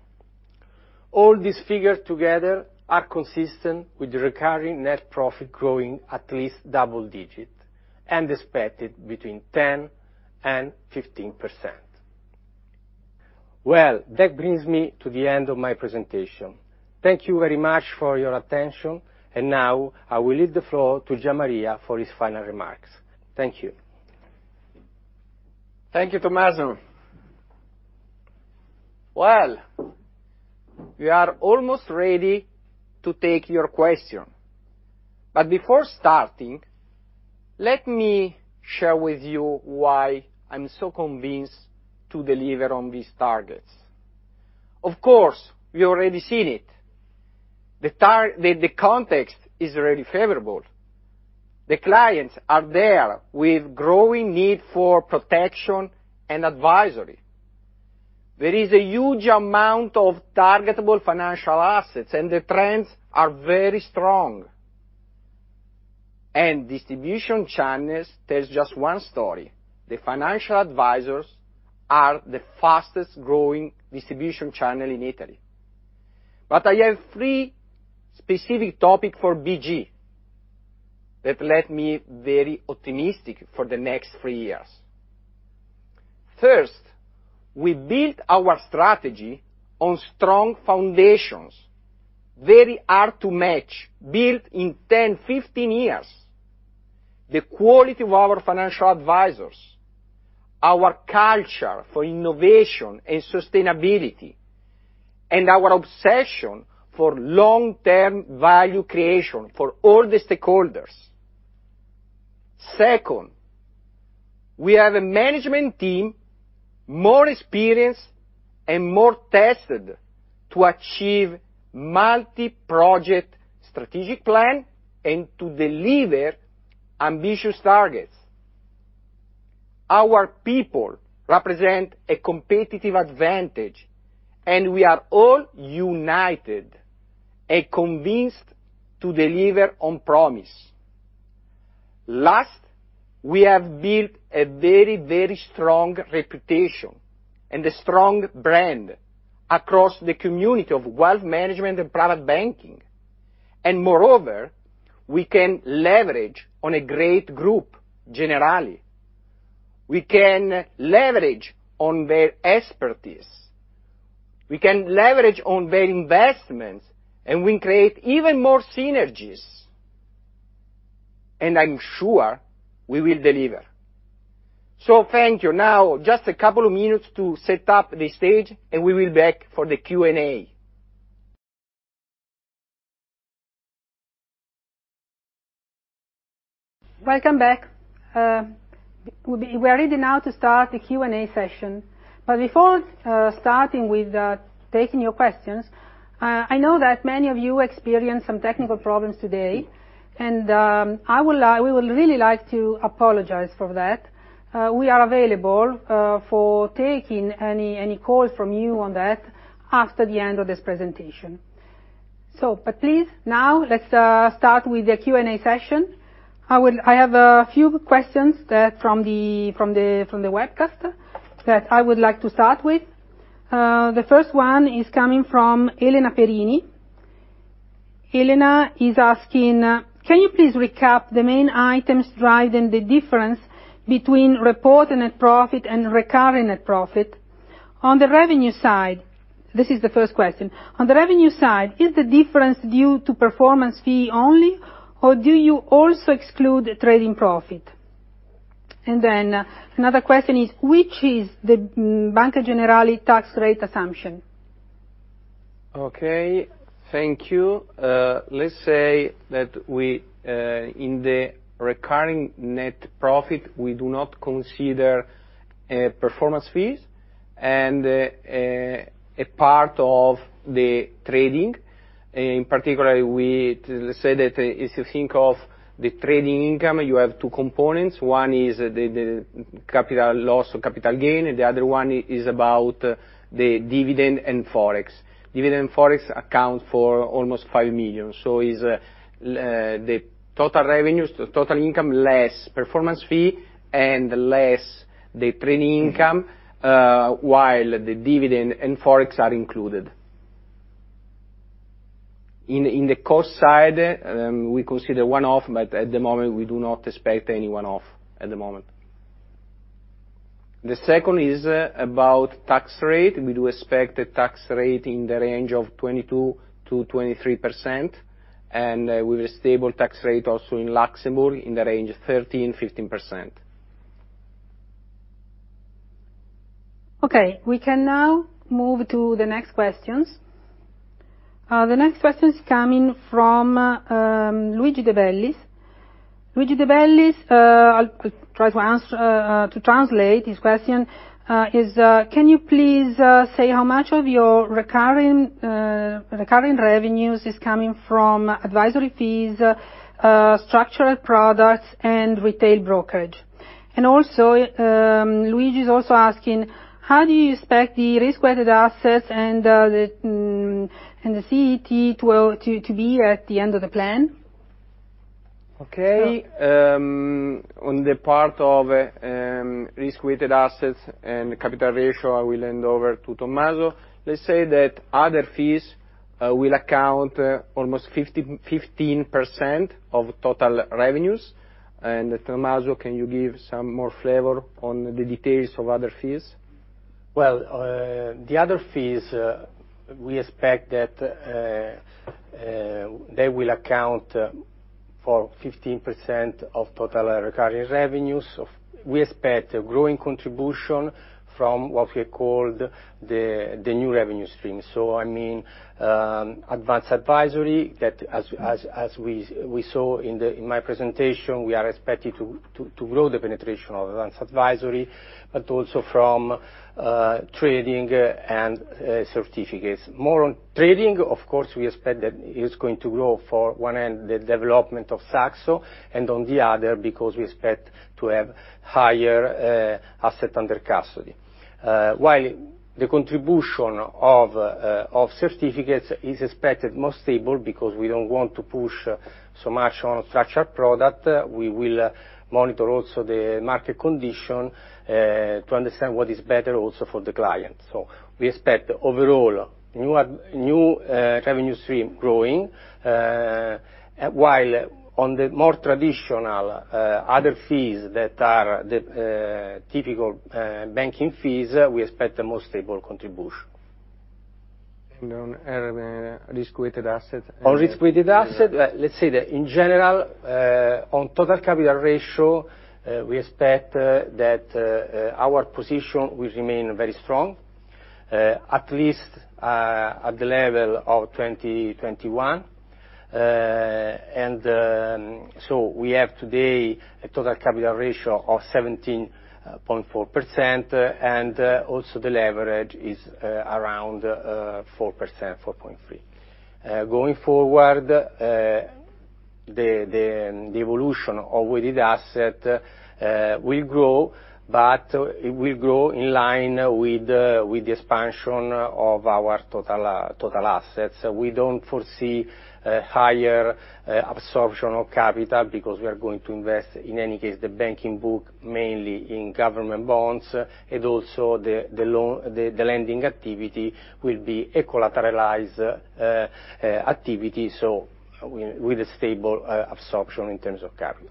All these figures together are consistent with the recurring net profit growing at least double-digit and expected between 10%-15%. Well, that brings me to the end of my presentation. Thank you very much for your attention. Now I will leave the floor to Gian Maria for his final remarks. Thank you. Thank you, Tommaso. Well, we are almost ready to take your question. Before starting, let me share with you why I'm so convinced to deliver on these targets. Of course, we already seen it. The context is really favorable. The clients are there with growing need for protection and advisory. There is a huge amount of targetable financial assets, and the trends are very strong. Distribution channels tells just one story. The financial advisors are the fastest-growing distribution channel in Italy. I have three specific topic for BG that let me very optimistic for the next three years. First, we built our strategy on strong foundations, very hard to match, built in 10, 15 years. The quality of our financial advisors, our culture for innovation and sustainability, and our obsession for long-term value creation for all the stakeholders. Second, we have a management team more experienced and more tested to achieve multi-project strategic plan and to deliver ambitious targets. Our people represent a competitive advantage, and we are all united and convinced to deliver on promise. Last, we have built a very, very strong reputation and a strong brand across the community of wealth management and private banking. Moreover, we can leverage on a great group, Generali. We can leverage on their expertise. We can leverage on their investments, and we create even more synergies. I'm sure we will deliver. Thank you. Now, just a couple of minutes to set up the stage, and we will be back for the Q&A. Welcome back. We're ready now to start the Q&A session. Before starting with taking your questions, I know that many of you experienced some technical problems today, and we would really like to apologize for that. We are available for taking any calls from you on that after the end of this presentation. Please, now let's start with the Q&A session. I have a few questions from the webcast that I would like to start with. The first one is coming from Elena Perini. Elena is asking, "Can you please recap the main items driving the difference between reported net profit and recurring net profit? On the revenue side," this is the first question. "On the revenue side, is the difference due to performance fee only, or do you also exclude trading profit?" And then another question is, "Which is the Banca Generali tax rate assumption? Okay, thank you. Let's say that we in the recurring net profit, we do not consider performance fees and a part of the trading. In particular, we say that if you think of the trading income, you have two components. One is the capital loss or capital gain, and the other one is about the dividend and Forex. Dividend and Forex account for almost 5 million. So the total revenues, the total income less performance fee and less the trading income, while the dividend and Forex are included. In the cost side, we consider one-off, but at the moment we do not expect any one-off at the moment. The second is about tax rate. We do expect a tax rate in the range of 22%-23%, and with a stable tax rate also in Luxembourg in the range of 13%-15%. Okay, we can now move to the next questions. The next question is coming from Luigi De Bellis. Luigi De Bellis, I'll try to translate his question. Can you please say how much of your recurring revenues is coming from advisory fees, structural products and retail brokerage? And also, Luigi is also asking, how do you expect the risk-weighted assets and the CET to be at the end of the plan? Okay. On the part of risk-weighted assets and capital ratio, I will hand over to Tommaso. Let's say that other fees will account almost 50%-15% of total revenues. Tommaso, can you give some more flavor on the details of other fees? The other fees, we expect that they will account for 15% of total recurring revenues. We expect a growing contribution from what we call the new revenue stream. I mean, advanced advisory, that, as we saw in my presentation, we are expected to grow the penetration of advanced advisory, but also from trading and certificates. More on trading, of course, we expect that it's going to grow on one hand, the development of Saxo, and on the other because we expect to have higher asset under custody. While the contribution of certificates is expected more stable because we don't want to push so much on structured product. We will monitor also the market condition to understand what is better also for the client. We expect overall new revenue stream growing, while on the more traditional other fees that are the typical banking fees, we expect a more stable contribution. On risk-weighted assets. On risk-weighted assets, let's say that in general, on total capital ratio, we expect that our position will remain very strong, at least at the level of 2021. We have today a total capital ratio of 17.4%, and also the leverage is around 4%, 4.3%. Going forward, the evolution of weighted assets will grow, but it will grow in line with the expansion of our total assets. We don't foresee a higher absorption of capital because we are going to invest, in any case, the banking book mainly in government bonds, and also the lending activity will be a collateralized activity, so with a stable absorption in terms of capital.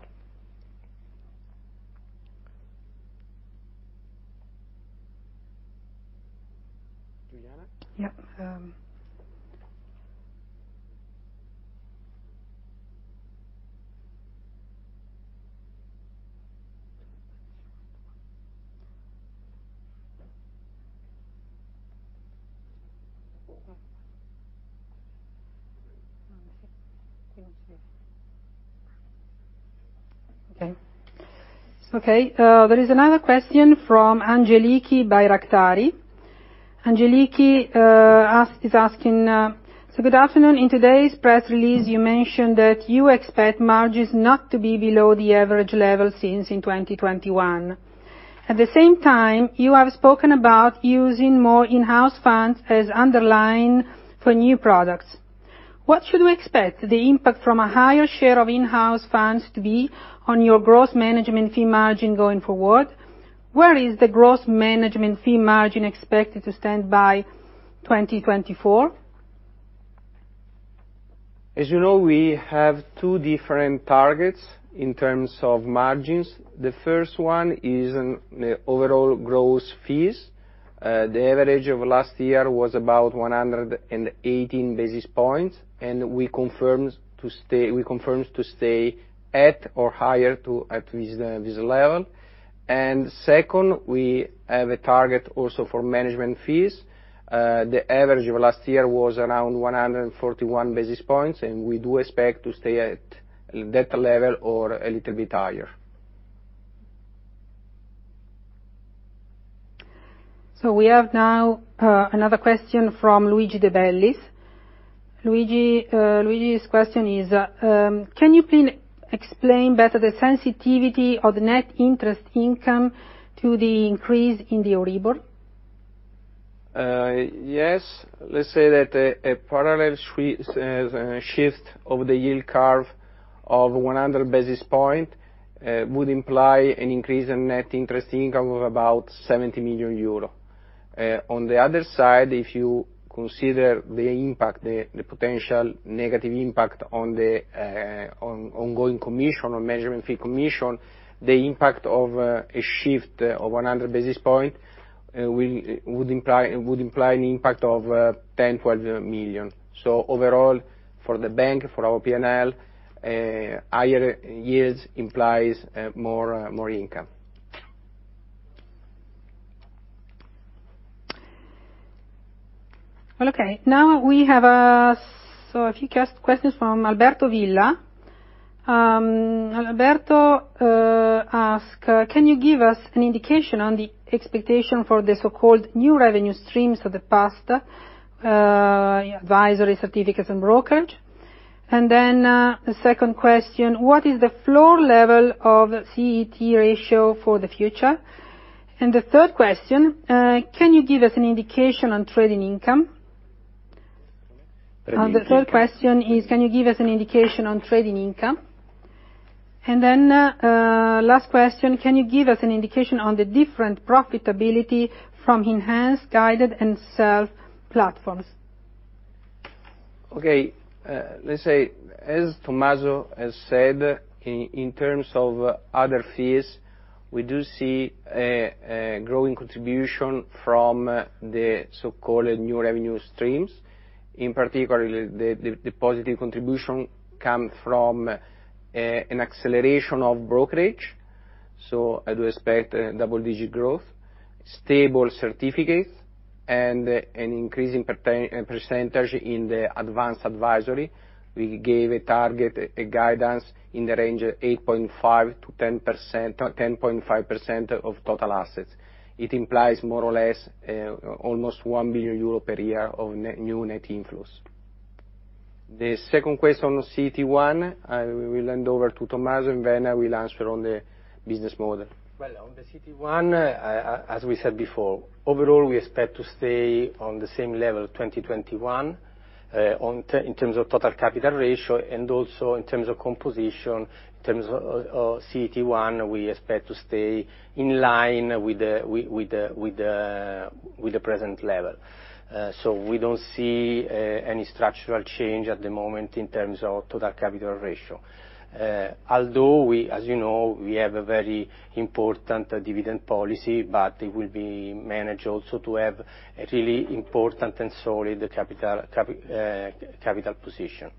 Giuliana? There is another question from Angeliki Bairaktari. Angeliki is asking, "Good afternoon. In today's press release, you mentioned that you expect margins not to be below the average level since in 2021. At the same time, you have spoken about using more in-house funds as underlying for new products. What should we expect the impact from a higher share of in-house funds to be on your gross management fee margin going forward? Where is the gross management fee margin expected to stand by 2024?" As you know, we have two different targets in terms of margins. The first one is in the overall gross fees. The average of last year was about 118 basis points, and we confirmed to stay at or higher to at least this level. Second, we have a target also for management fees. The average of last year was around 141 basis points, and we do expect to stay at that level or a little bit higher. We have now another question from Luigi De Bellis. Luigi's question is, "Can you explain better the sensitivity of the net interest income to the increase in the Euribor?" Yes. Let's say that a parallel shift of the yield curve of 100 basis points would imply an increase in net interest income of about 70 million euro. On the other side, if you consider the impact, the potential negative impact on the ongoing commission or management fee commission, the impact of a shift of 100 basis points would imply an impact of 10 million-12 million. Overall, for the bank, for our P&L, higher yields implies more income. Well, okay. Now we have a few questions from Alberto Villa. Alberto asks, "Can you give us an indication on the expectation for the so-called new revenue streams of the past, advisory certificates and brokerage?" And then, the second question, "What is the floor level of CET1 ratio for the future?" And the third question, "Can you give us an indication on trading income?" Sorry. Trading income. The third question is, "Can you give us an indication on trading income?" Last question, "Can you give us an indication on the different profitability from enhanced, guided, and self-platforms?" Okay. Let's say, as Tommaso has said, in terms of other fees, we do see a growing contribution from the so-called new revenue streams. In particular, the positive contribution comes from an acceleration of brokerage. I do expect double-digit growth, stable certificates, and an increase in percentage in the advanced advisory. We gave a target, a guidance in the range of 8.5%-10% or 10.5% of total assets. It implies more or less almost 1 billion euro per year of new net inflows. The second question on CET1, I will hand over to Tommaso, and then I will answer on the business model. Well, on the CET1, as we said before, overall, we expect to stay on the same level of 2021, in terms of total capital ratio and also in terms of composition. In terms of CET1, we expect to stay in line with the present level. We don't see any structural change at the moment in terms of total capital ratio. Although we, as you know, we have a very important dividend policy, but it will be managed also to have a really important and solid capital position.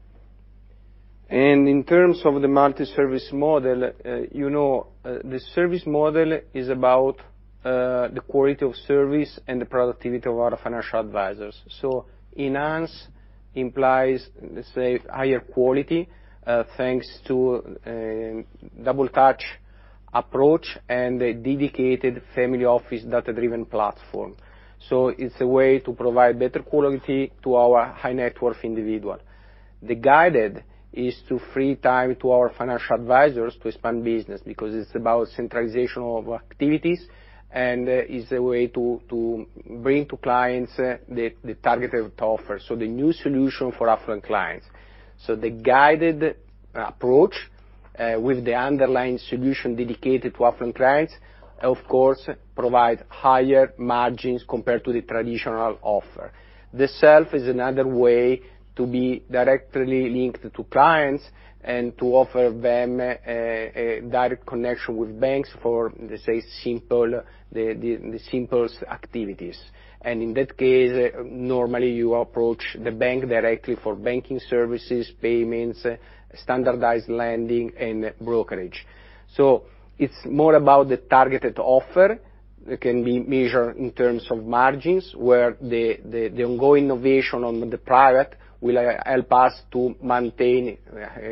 In terms of the multi-service model, the service model is about the quality of service and the productivity of our financial advisors. Enhance implies, let's say, higher quality, thanks to double touch approach and a dedicated family office data-driven platform. It's a way to provide better quality to our high net worth individual. The guided is to free time to our financial advisors to expand business because it's about centralization of activities, and it's a way to bring to clients the targeted offer. The new solution for affluent clients. The guided approach, with the underlying solution dedicated to affluent clients, of course, provide higher margins compared to the traditional offer. The self is another way to be directly linked to clients and to offer them a direct connection with banks for, let's say, simple, the simplest activities. In that case, normally you approach the bank directly for banking services, payments, standardized lending, and brokerage. It's more about the targeted offer. It can be measured in terms of margins, where the ongoing innovation on the private will help us to maintain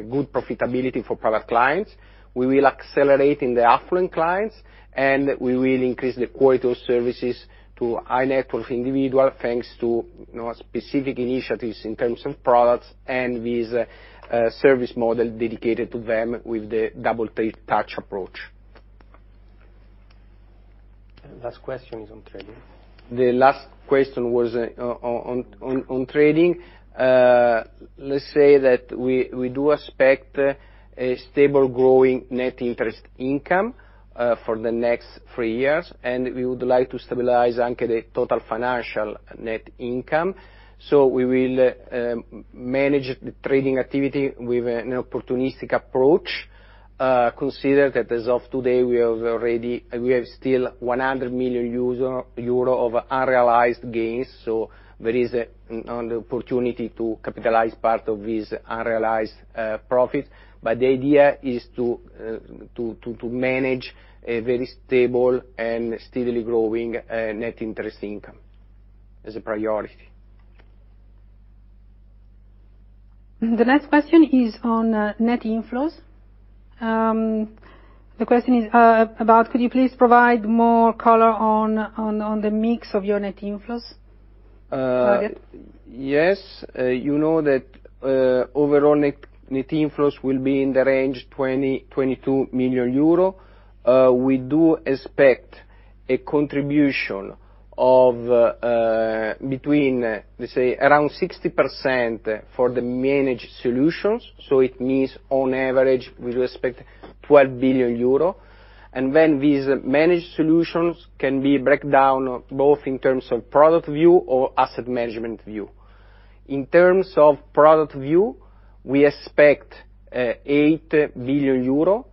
good profitability for private clients. We will accelerate in the affluent clients, and we will increase the quality of services to high net worth individual, thanks to more specific initiatives in terms of products and with a service model dedicated to them with the double take touch approach. Last question is on trading. The last question was on trading. Let's say that we do expect a stable growing net interest income for the next three years, and we would like to stabilize also the total financial net income. We will manage the trading activity with an opportunistic approach. Consider that as of today, we have still 100 million euros of unrealized gains. There is an opportunity to capitalize part of these unrealized profits. The idea is to manage a very stable and steadily growing net interest income as a priority. The next question is on net inflows. The question is, could you please provide more color on the mix of your net inflows? Yes. You know that overall net inflows will be in the range 20 million-22 million euro. We do expect a contribution of between, let's say, around 60% for the managed solutions. It means on average, we expect 12 billion euro. When these managed solutions can be broken down, both in terms of product view or asset management view. In terms of product view, we expect 8 billion euro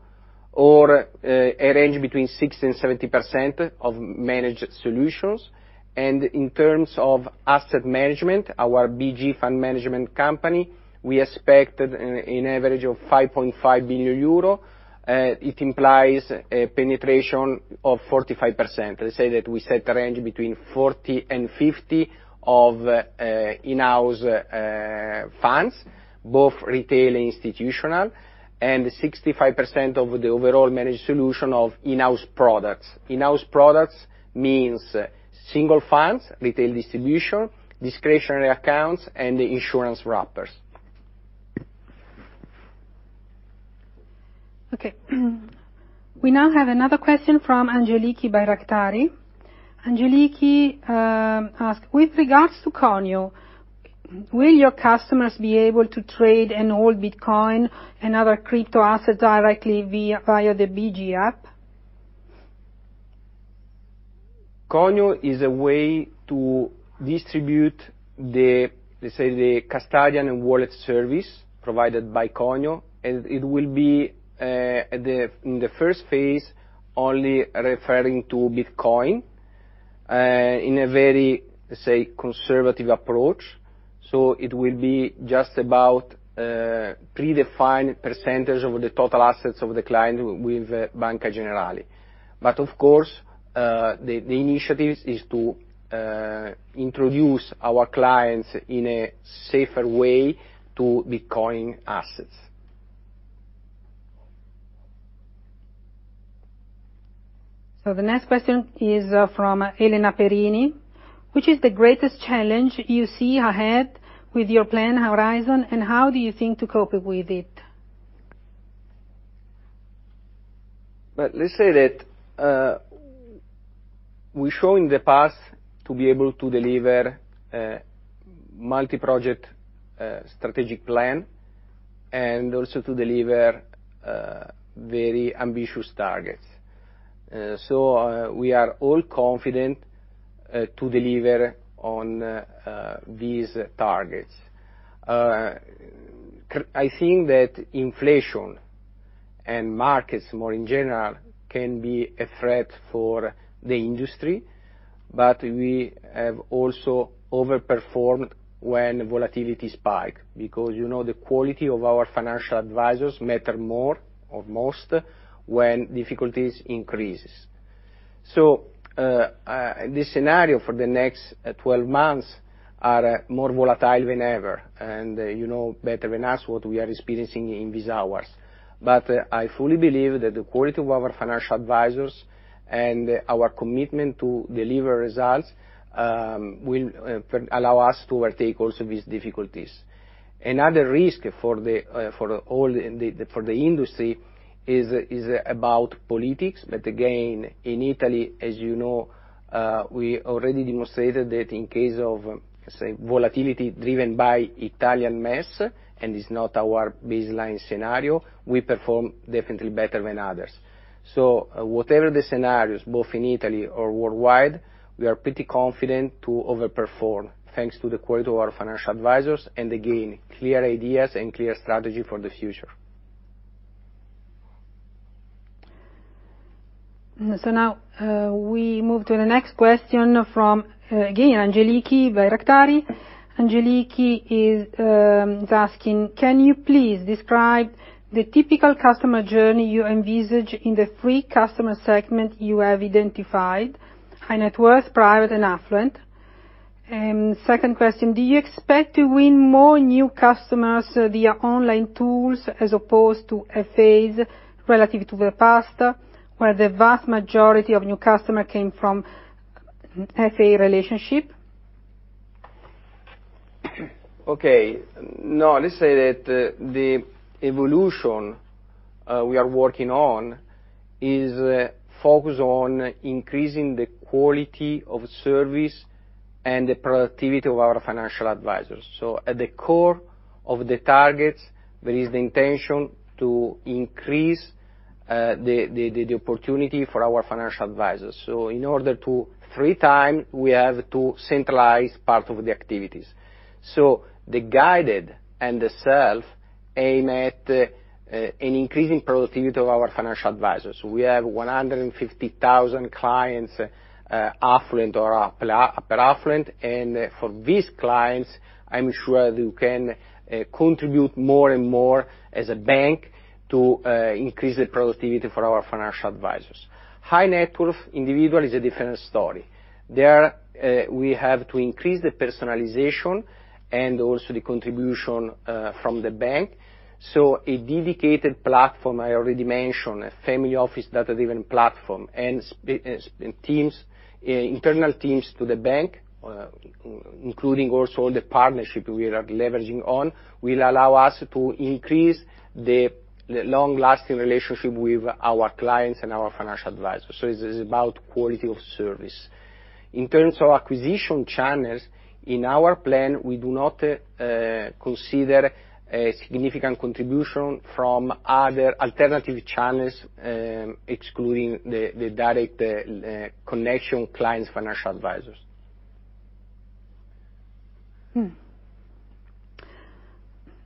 or a range between 60%-70% of managed solutions. In terms of asset management, our BG fund management company, we expect an average of 5.5 billion euro. It implies a penetration of 45%. Let's say that we set the range between 40%-50% of in-house funds, both retail and institutional, and 65% of the overall managed solution of in-house products. In-house products means single funds, retail distribution, discretionary accounts, and insurance wrappers. Okay. We now have another question from Angeliki Bairaktari. Angeliki asks, with regards to Conio, will your customers be able to trade and hold Bitcoin and other crypto assets directly via the BG app? Conio is a way to distribute the, let's say, custodian and wallet service provided by Conio. It will be in the first phase only referring to Bitcoin in a very, say, conservative approach. It will be just about predefined percentage of the total assets of the client with Banca Generali. Of course, the initiative is to introduce our clients in a safer way to Bitcoin assets. The next question is from Elena Perini. Which is the greatest challenge you see ahead with your plan horizon, and how do you think to cope with it? Let's say that we showed in the past to be able to deliver multi-project strategic plan and also to deliver very ambitious targets. We are all confident to deliver on these targets. I think that inflation and markets, more in general, can be a threat for the industry, but we have also overperformed when volatility spikes, because you know the quality of our financial advisors matter more or most when difficulties increase. The scenario for the next 12 months is more volatile than ever, and you know better than us what we are experiencing in these hours. I fully believe that the quality of our financial advisors and our commitment to deliver results will allow us to overtake also these difficulties. Another risk for the industry is about politics. Again, in Italy, as you know, we already demonstrated that in case of, say, volatility driven by Italian mess, and it's not our baseline scenario, we perform definitely better than others. Whatever the scenarios, both in Italy or worldwide, we are pretty confident to overperform, thanks to the quality of our financial advisors, and again, clear ideas and clear strategy for the future. Now we move to the next question from, again, Angeliki Bairaktari. Angeliki is asking, can you please describe the typical customer journey you envisage in the three customer segments you have identified: high net worth, private, and affluent? And second question, do you expect to win more new customers via online tools as opposed to FAs relative to the past, where the vast majority of new customers came from FA relationships? Okay. No, let's say that the evolution we are working on is focused on increasing the quality of service and the productivity of our financial advisors. At the core of the targets, there is the intention to increase the opportunity for our financial advisors. In order to free time, we have to centralize part of the activities. The guided and the self aim at increasing productivity of our financial advisors. We have 150,000 clients, affluent or affluent, and for these clients, I'm sure you can contribute more and more as a bank to increase the productivity for our financial advisors. High-net-worth individual is a different story. There, we have to increase the personalization and also the contribution from the bank. A dedicated platform, I already mentioned, a family office data-driven platform and teams, internal teams to the bank, including also the partnership we are leveraging on, will allow us to increase the long-lasting relationship with our clients and our financial advisors. This is about quality of service. In terms of acquisition channels, in our plan, we do not consider a significant contribution from other alternative channels, excluding the direct connection clients, financial advisors.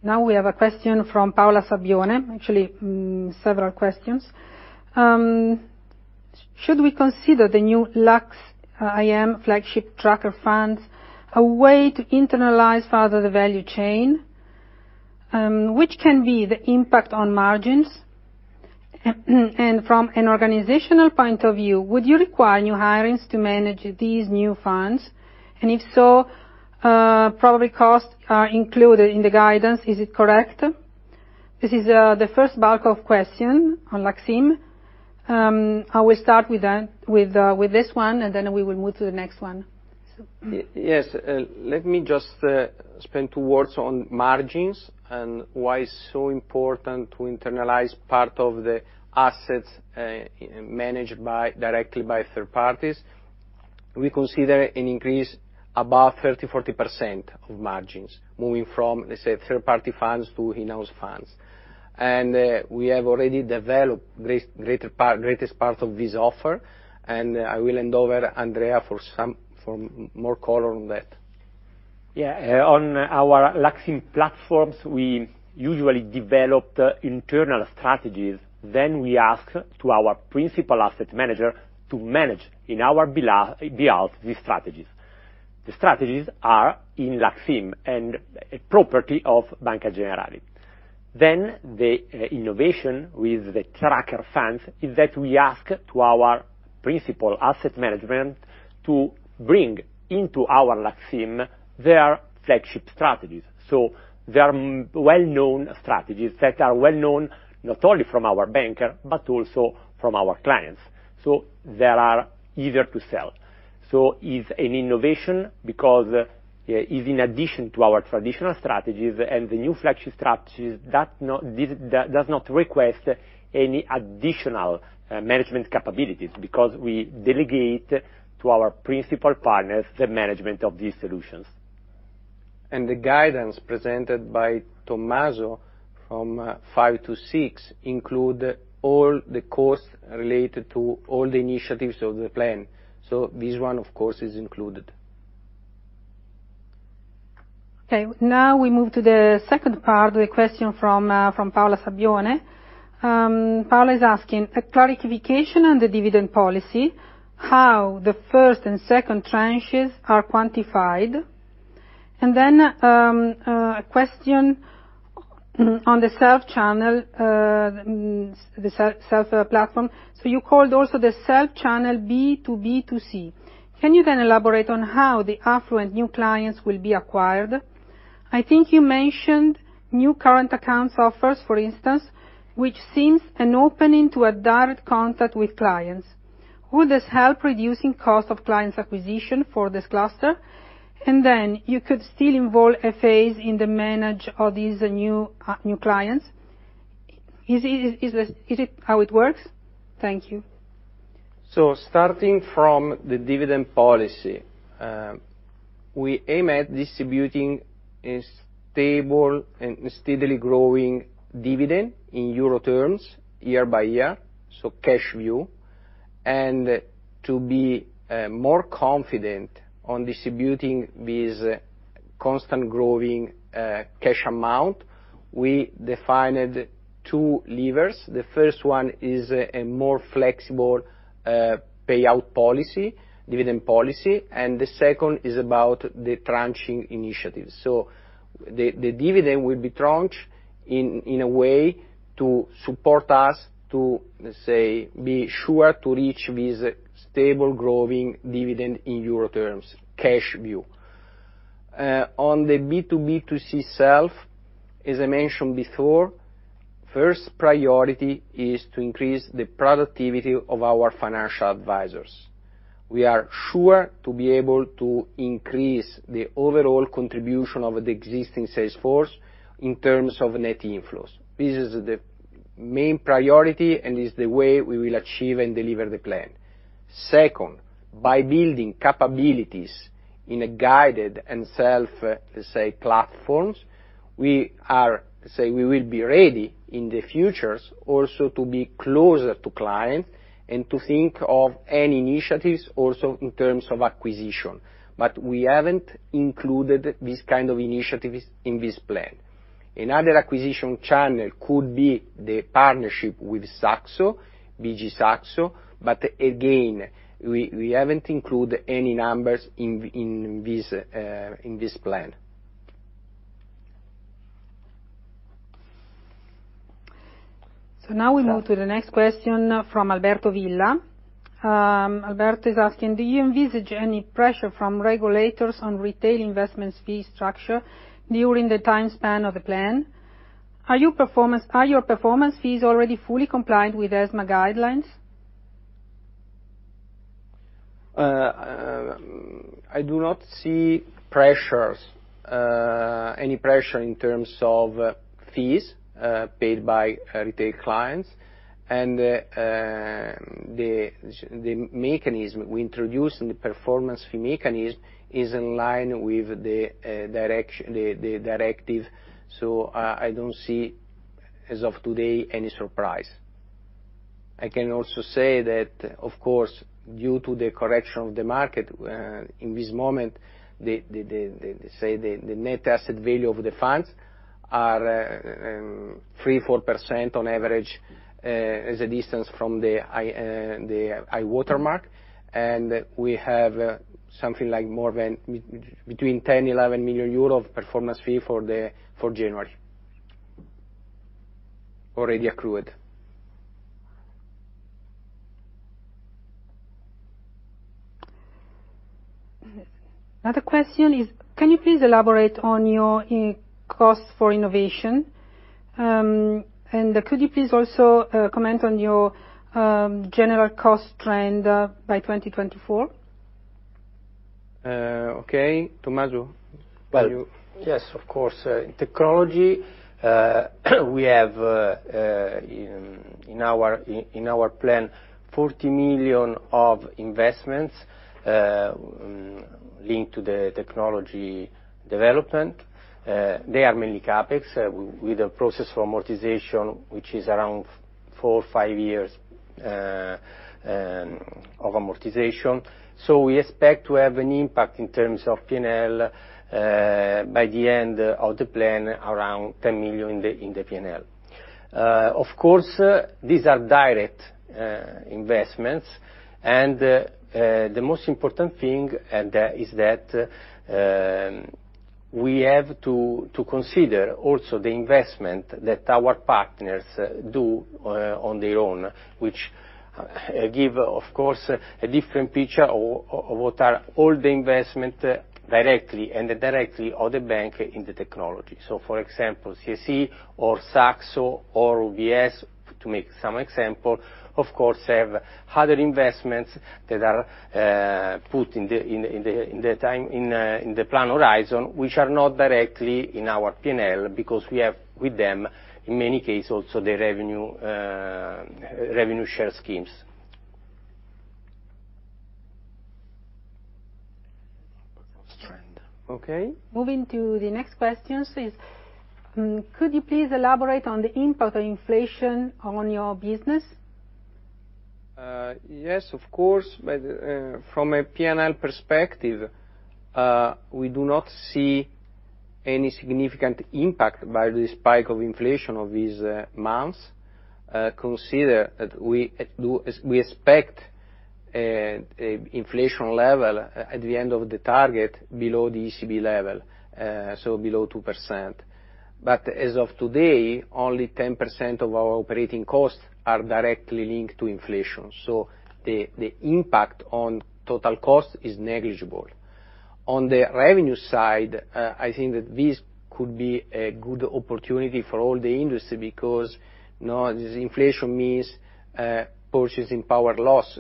Now we have a question from Paola Sabbione. Actually, several questions. Should we consider the new LUX IM flagship tracker funds a way to internalize further the value chain? Which can be the impact on margins? And from an organizational point of view, would you require new hirings to manage these new funds? And if so, probably costs are included in the guidance. Is it correct? This is the first bulk of question on LUX IM. I will start with that, with this one, and then we will move to the next one. Yes. Let me just spend two words on margins and why it's so important to internalize part of the assets, managed by, directly by third parties. We consider an increase above 30-40% of margins moving from, let's say, third-party funds to in-house funds. We have already developed greatest part of this offer, and I will hand over Andrea for more color on that. Yeah. On our LUX IM platforms, we usually develop the internal strategies, then we ask our principal asset manager to manage on our behalf these strategies. The strategies are in LUX IM and a property of Banca Generali. The innovation with the tracker funds is that we ask our principal asset management to bring into our LUX IM their flagship strategies. They are well-known strategies that are well-known not only from our banker, but also from our clients. They are easier to sell. It's an innovation because it is in addition to our traditional strategies and the new flagship strategies that this does not request any additional management capabilities, because we delegate to our principal partners the management of these solutions. The guidance presented by Tommaso from 5-6 include all the costs related to all the initiatives of the plan. This one, of course, is included. Okay. Now we move to the second part, the question from Paola Sabbione. Paola is asking a clarification on the dividend policy, how the first and second tranches are quantified. Then a question on the self-channel, the self platform. You called also the self-channel B2B2C. Can you then elaborate on how the affluent new clients will be acquired? I think you mentioned new current account offers, for instance, which seems an opening to a direct contact with clients. Would this help reducing cost of clients acquisition for this cluster? You could still involve FAs in the management of these new clients. Is it how it works? Thank you. Starting from the dividend policy, we aim at distributing a stable and steadily growing dividend in euro terms year by year, so cash view. To be more confident on distributing this constant growing cash amount, we defined two levers. The first one is a more flexible payout policy, dividend policy, and the second is about the tranching initiatives. The dividend will be tranched in a way to support us to, let's say, be sure to reach this stable growing dividend in euro terms, cash view. On the B2B2C side, as I mentioned before, first priority is to increase the productivity of our financial advisors. We are sure to be able to increase the overall contribution of the existing sales force in terms of net inflows. This is the main priority, and is the way we will achieve and deliver the plan. Second, by building capabilities in a guided and self, let's say, platforms, we will be ready in the future also to be closer to clients and to think of any initiatives also in terms of acquisition. But we haven't included this kind of initiatives in this plan. Another acquisition channel could be the partnership with Saxo, BG SAXO. But again, we haven't included any numbers in this plan. Now we move to the next question from Alberto Villa. Alberto is asking: Do you envisage any pressure from regulators on retail investments fee structure during the time span of the plan? Are your performance fees already fully compliant with ESMA guidelines? I do not see any pressure in terms of fees paid by retail clients. The mechanism we introduced, and the performance fee mechanism is in line with the directive. I don't see, as of today, any surprise. I can also say that, of course, due to the correction of the market, in this moment, say, the net asset value of the funds are 3%-4% on average, as a distance from the high water mark. We have something like more than between 10-11 million euro of performance fee for January already accrued. Another question is: Can you please elaborate on your investment in costs for innovation? Could you please also comment on your general cost trend by 2024? Okay. Tommaso, will you- Well, yes, of course. In technology, we have in our plan 40 million of investments linked to the technology development. They are mainly CapEx. With a process for amortization, which is around four-five years of amortization. We expect to have an impact in terms of P&L by the end of the plan, around 10 million in the P&L. Of course, these are direct investments. The most important thing is that we have to consider also the investment that our partners do on their own, which give, of course, a different picture of what are all the investments directly and indirectly of the bank in the technology. For example, CSE or Saxo or UBS, to make some examples, of course, have other investments that are put in the time in the plan horizon, which are not directly in our P&L because we have with them, in many cases, also the revenue share schemes. Trend. Okay. Moving to the next questions is: could you please elaborate on the impact of inflation on your business? Yes, of course. From a P&L perspective, we do not see any significant impact by the spike of inflation of these months. Consider that we expect inflation level at the end of the target below the ECB level, so below 2%. As of today, only 10% of our operating costs are directly linked to inflation. The impact on total cost is negligible. On the revenue side, I think that this could be a good opportunity for all the industry because, you know, this inflation means purchasing power loss.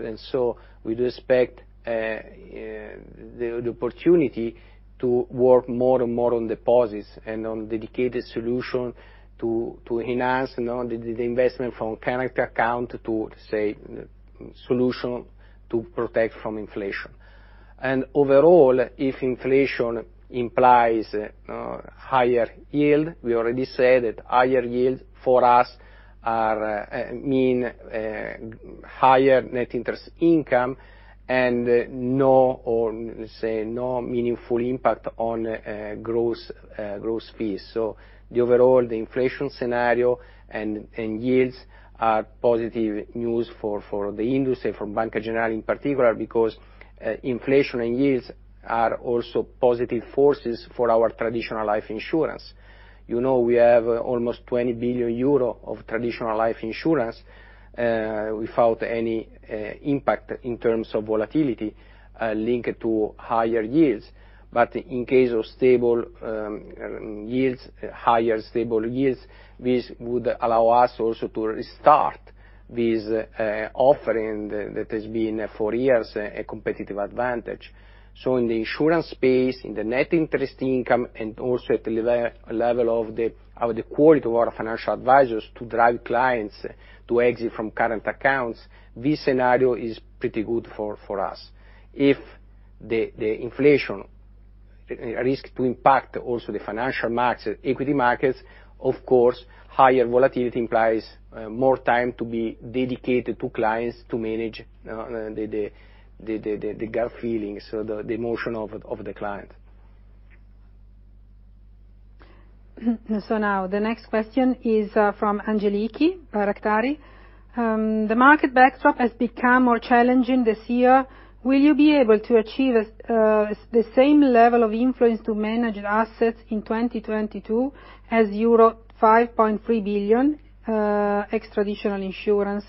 We do expect the opportunity to work more and more on deposits and on dedicated solution to enhance, you know, the investment from current account to, say, solution to protect from inflation. Overall, if inflation implies higher yield, we already said that higher yields for us are I mean higher net interest income and no, or let's say no meaningful impact on gross fees. So the overall, the inflation scenario and yields are positive news for the industry, for Banca Generali in particular, because inflation and yields are also positive forces for our traditional life insurance. You know, we have almost 20 billion euro of traditional life insurance without any impact in terms of volatility linked to higher yields. In case of stable yields, higher stable yields, this would allow us also to restart this offering that has been for years a competitive advantage. In the insurance space, in the net interest income, and also at the level of the quality of our financial advisors to drive clients to exit from current accounts, this scenario is pretty good for us. If the inflation risks to impact also the financial markets, equity markets, of course, higher volatility implies more time to be dedicated to clients to manage the gut feeling, so the emotion of the client. The next question is from Angeliki Bairaktari. The market backdrop has become more challenging this year. Will you be able to achieve the same level of inflows to manage assets in 2022 as euro 5.3 billion in unit-linked insurance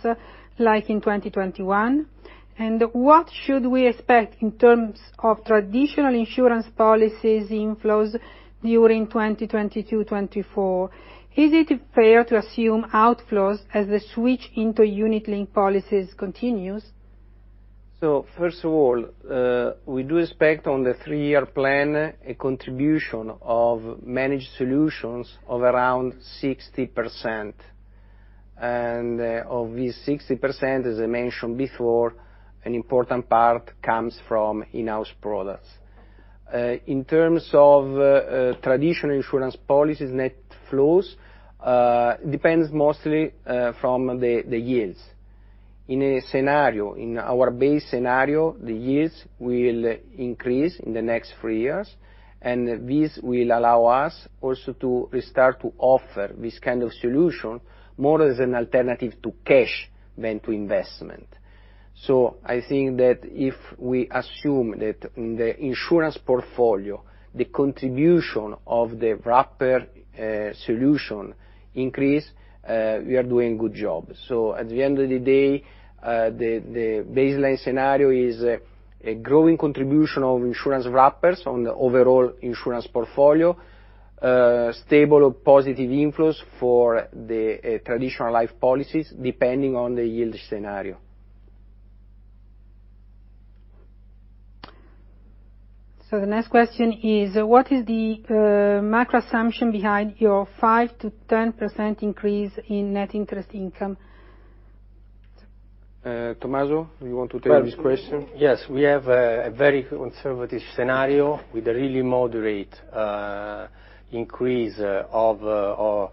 in 2021? And what should we expect in terms of traditional insurance policies inflows during 2020-2024? Is it fair to assume outflows as the switch into unit-linked policies continues? First of all, we do expect on the three-year plan, a contribution of managed solutions of around 60%. Of this 60%, as I mentioned before, an important part comes from in-house products. In terms of traditional insurance policies, net flows depends mostly from the yields. In a scenario, in our base scenario, the yields will increase in the next three years, and this will allow us also to restart to offer this kind of solution more as an alternative to cash than to investment. I think that if we assume that in the insurance portfolio, the contribution of the wrapper solution increase, we are doing good job. At the end of the day, the baseline scenario is a growing contribution of insurance wrappers on the overall insurance portfolio, stable or positive inflows for the traditional life policies, depending on the yield scenario. The next question is, what is the macro assumption behind your 5%-10% increase in net interest income? Tommaso, you want to take this question? Yes. We have a very conservative scenario with a really moderate increase of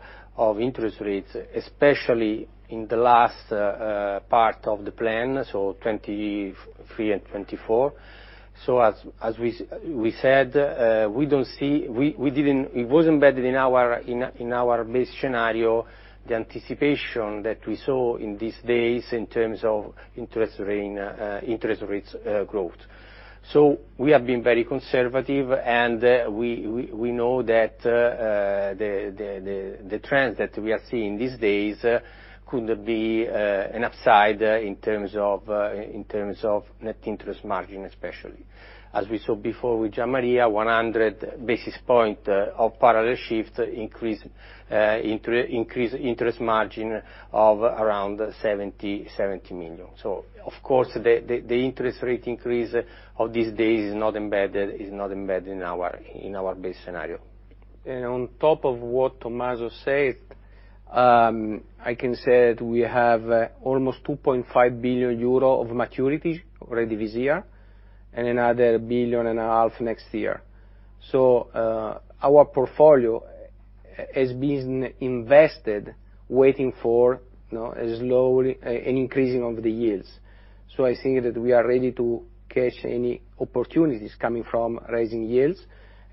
interest rates, especially in the last part of the plan, 2023 and 2024. As we said, we don't see. It was embedded in our base scenario, the anticipation that we saw in these days in terms of interest rates growth. We have been very conservative, and we know that the trend that we are seeing these days could be an upside in terms of net interest margin, especially. As we saw before with Gian Maria, 100 basis point of parallel shift increase interest margin of around 70 million. Of course, the interest rate increase of these days is not embedded in our base scenario. On top of what Tommaso said, I can say that we have almost 2.5 billion euro of maturity already this year, and another 1.5 billion next year. Our portfolio has been invested waiting for an increasing of the yields. I think that we are ready to catch any opportunities coming from rising yields,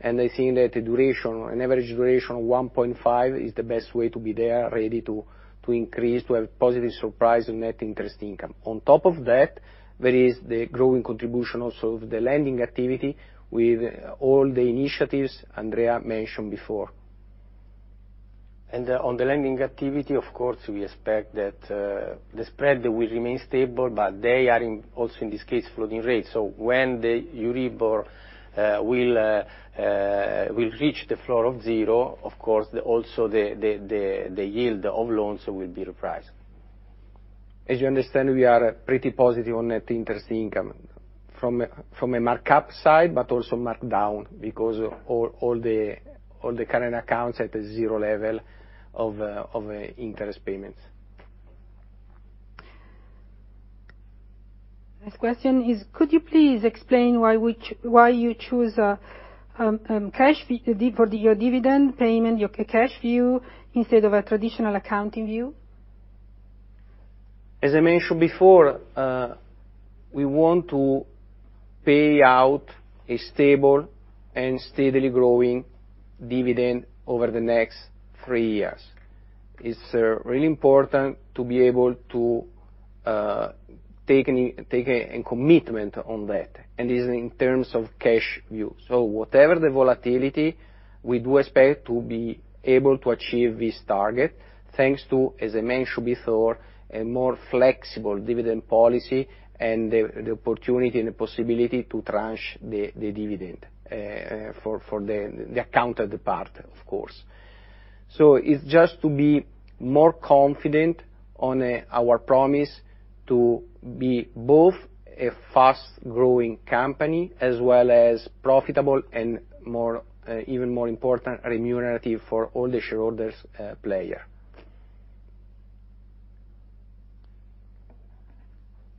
and I think that the duration, an average duration of 1.5 is the best way to be there, ready to increase, to have positive surprise on net interest income. On top of that, there is the growing contribution also of the lending activity with all the initiatives Andrea mentioned before. On the lending activity, of course, we expect that the spread will remain stable, but they are in, also in this case, floating rates. When the EURIBOR will reach the floor of zero, of course, the yield of loans will be repriced. As you understand, we are pretty positive on net interest income from a markup side, but also markdown because all the current accounts at a zero level of interest payments. Next question is, could you please explain why you choose cash dividend for your dividend payment, your cash view, instead of a traditional accounting view? As I mentioned before, we want to pay out a stable and steadily growing dividend over the next three years. It's really important to be able to take a commitment on that, and this is in terms of cash view. Whatever the volatility, we do expect to be able to achieve this target thanks to, as I mentioned before, a more flexible dividend policy and the opportunity and the possibility to tranche the dividend for the account of the parent, of course. It's just to be more confident on our promise to be both a fast-growing company as well as profitable and even more important, remunerative for all the shareholders, player.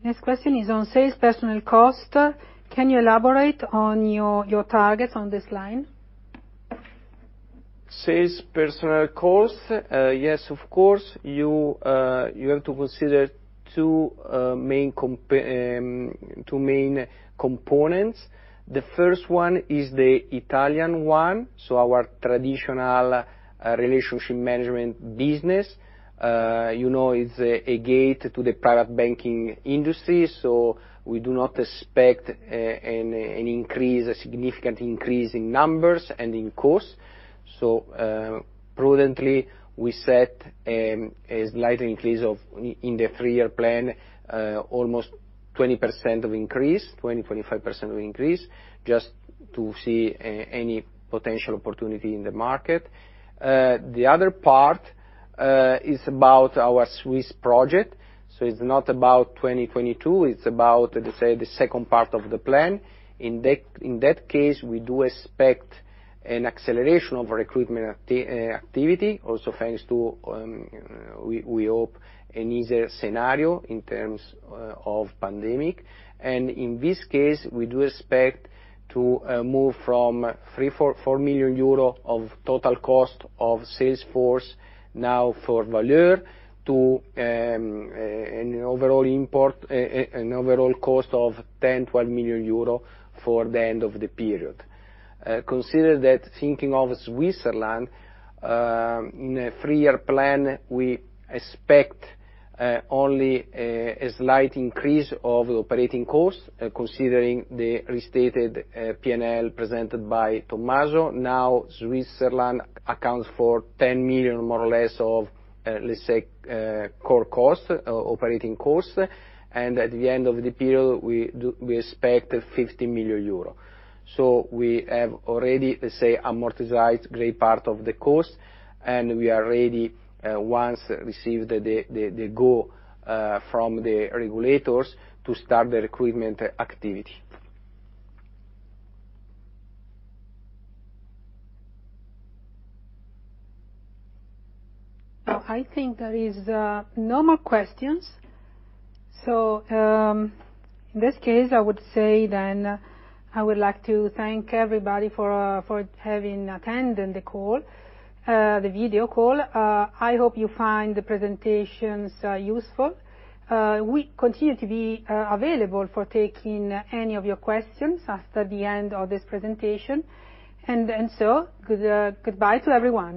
Next question is on sales personnel cost. Can you elaborate on your targets on this line? Sales personnel cost. Yes, of course. You have to consider two main components. The first one is the Italian one, so our traditional relationship management business. You know, it's a gate to the private banking industry, so we do not expect a significant increase in numbers and in cost. Prudently, we set a slight increase in the three-year plan, almost 20% increase, 25% increase just to see any potential opportunity in the market. The other part is about our Swiss project, so it's not about 2022, it's about the second part of the plan. In that case, we do expect an acceleration of recruitment activity also thanks to we hope an easier scenario in terms of pandemic. In this case, we do expect to move from 3 million-4 million euro of total cost of sales force now for Valeur to an overall cost of 10 million-12 million euro for the end of the period. Consider that thinking of Switzerland in a three-year plan, we expect only a slight increase of operating costs considering the restated P&L presented by Tommaso. Now, Switzerland accounts for 10 million, more or less of, let's say, core costs, operating costs. At the end of the period, we expect 50 million euro. We have already, let's say, amortized great part of the cost, and we are ready, once received the go from the regulators to start the recruitment activity. I think there is no more questions. In this case, I would say then I would like to thank everybody for having attended the call, the video call. I hope you find the presentations useful. We continue to be available for taking any of your questions after the end of this presentation. Goodbye to everyone.